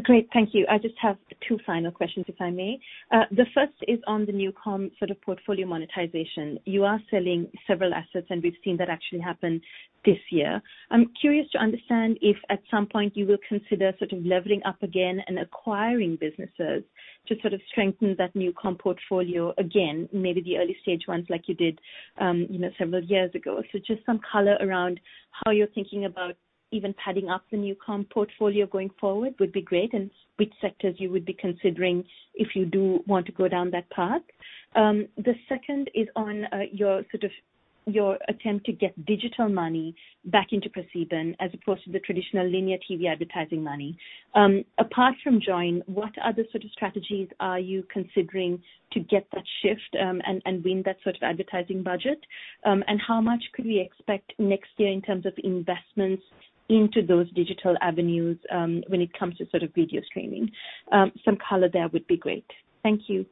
Great. Thank you. I just have two final questions, if I may. The first is on the NuCom portfolio monetization. You are selling several assets, and we've seen that actually happen this year. I'm curious to understand if at some point you will consider leveling up again and acquiring businesses to strengthen that NuCom portfolio again, maybe the early-stage ones like you did several years ago. Just some color around how you're thinking about even padding up the NuCom portfolio going forward would be great, and which sectors you would be considering if you do want to go down that path. The second is on your attempt to get digital money back into ProSieben as opposed to the traditional linear TV advertising money. Apart from Joyn, what other strategies are you considering to get that shift and win that advertising budget? How much could we expect next year in terms of investments into those digital avenues when it comes to video streaming? Some color there would be great. Thank you.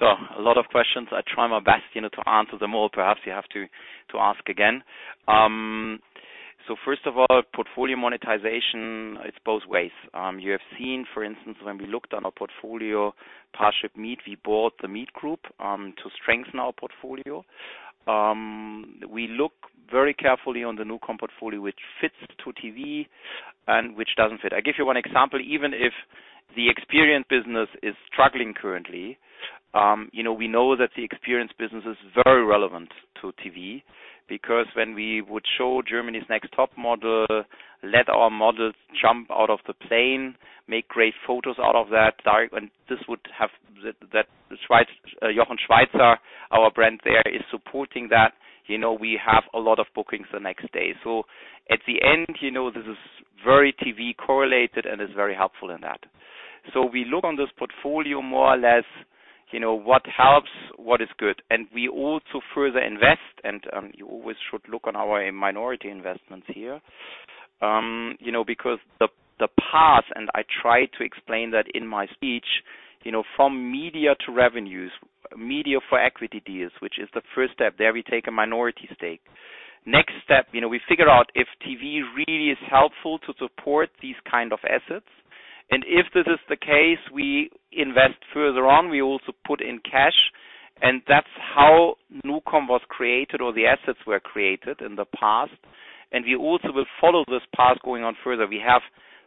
A lot of questions. I try my best to answer them all. Perhaps you have to ask again. First of all, portfolio monetization, it's both ways. You have seen, for instance, when we looked on our portfolio, ParshipMeet, we bought the Meet Group to strengthen our portfolio. We look very carefully on the NuCom portfolio, which fits to TV and which doesn't fit. I give you one example. Even if the experience business is struggling currently, we know that the experience business is very relevant to TV, because when we would show Germany's Next Topmodel, let our models jump out of the plane, make great photos out of that, and Jochen Schweizer, our brand there, is supporting that. We have a lot of bookings the next day. At the end, this is very TV correlated and is very helpful in that. We look on this portfolio more or less. What helps, what is good. We also further invest, and you always should look on our minority investments here. The path, and I tried to explain that in my speech, from media-for-revenue, media-for-equity deals, which is the first step. There we take a minority stake. Next step, we figure out if TV really is helpful to support these kind of assets. If this is the case, we invest further on. We also put in cash. That's how NuCom was created, or the assets were created in the past. We also will follow this path going on further. We have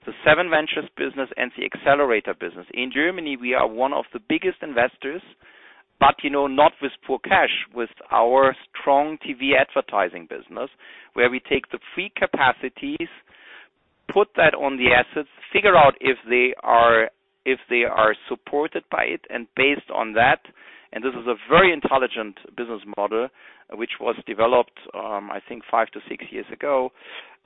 the SevenVentures business and the Accelerator business. In Germany, we are one of the biggest investors, not with for cash, with our strong TV advertising business, where we take the free capacities, put that on the assets, figure out if they are supported by it. Based on that, and this is a very intelligent business model, which was developed, I think, five to six years ago,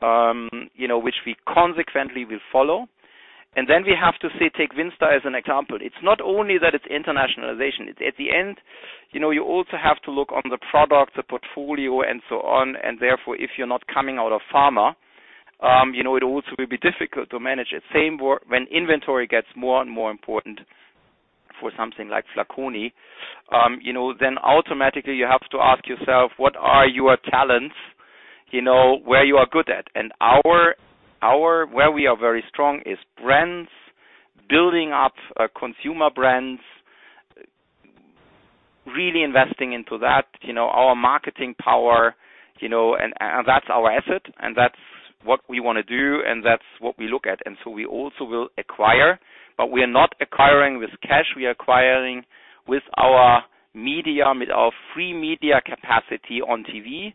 which we consequently will follow. Then we have to, say, take WindStar as an example. It's not only that it's internationalization. At the end, you also have to look on the product, the portfolio, and so on. Therefore, if you're not coming out of pharma, it also will be difficult to manage it. Same when inventory gets more and more important for something like Flaconi. Automatically you have to ask yourself, what are your talents? Where you are good at? Where we are very strong is brands, building up consumer brands, really investing into that. Our marketing power, that's our asset, that's what we want to do, that's what we look at. We also will acquire, we are not acquiring with cash. We are acquiring with our free media capacity on TV.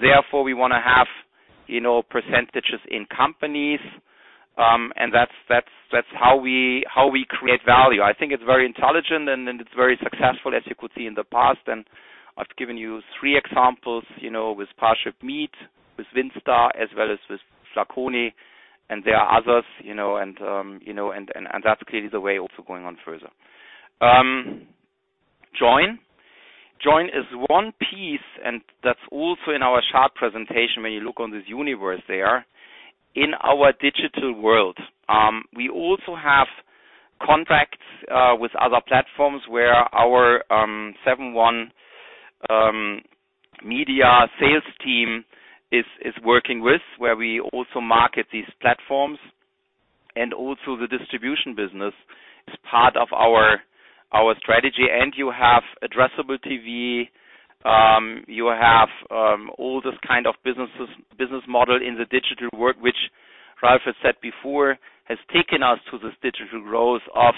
Therefore, we want to have percentages in companies. That's how we create value. I think it's very intelligent and it's very successful, as you could see in the past. I've given you three examples, with ParshipMeet, with WindStar, as well as with Flaconi. There are others, that clearly the way also going on further. Joyn. Joyn is one piece, that's also in our sharp presentation when you look on this universe there. In our digital world, we also have contracts with other platforms where our Seven.One Media sales team is working with, where we also market these platforms, and also the distribution business is part of our strategy. You have addressable TV, you have all this kind of business model in the digital world, which Ralf had said before, has taken us to this digital growth of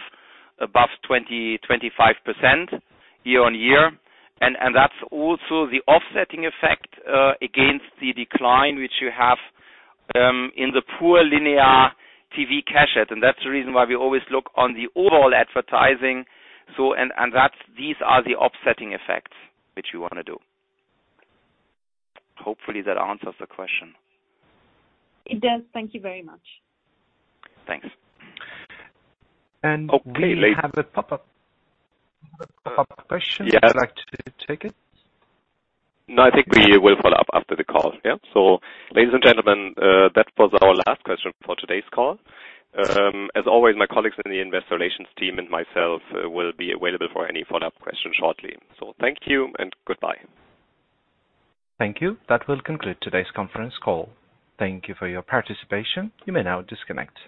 above 20%, 25% year-on-year. That's also the offsetting effect against the decline which you have in the pure linear TV cash cow. That's the reason why we always look on the overall advertising. These are the offsetting effects which we want to do. Hopefully, that answers the question. It does. Thank you very much. Thanks. We have a pop-up question. Yeah. Would you like to take it? No, I think we will follow-up after the call. Yeah. Ladies and gentlemen, that was our last question for today's call. As always, my colleagues in the investor relations team and myself will be available for any follow-up question shortly. Thank you and goodbye. Thank you. That will conclude today's conference call. Thank you for your participation. You may now disconnect.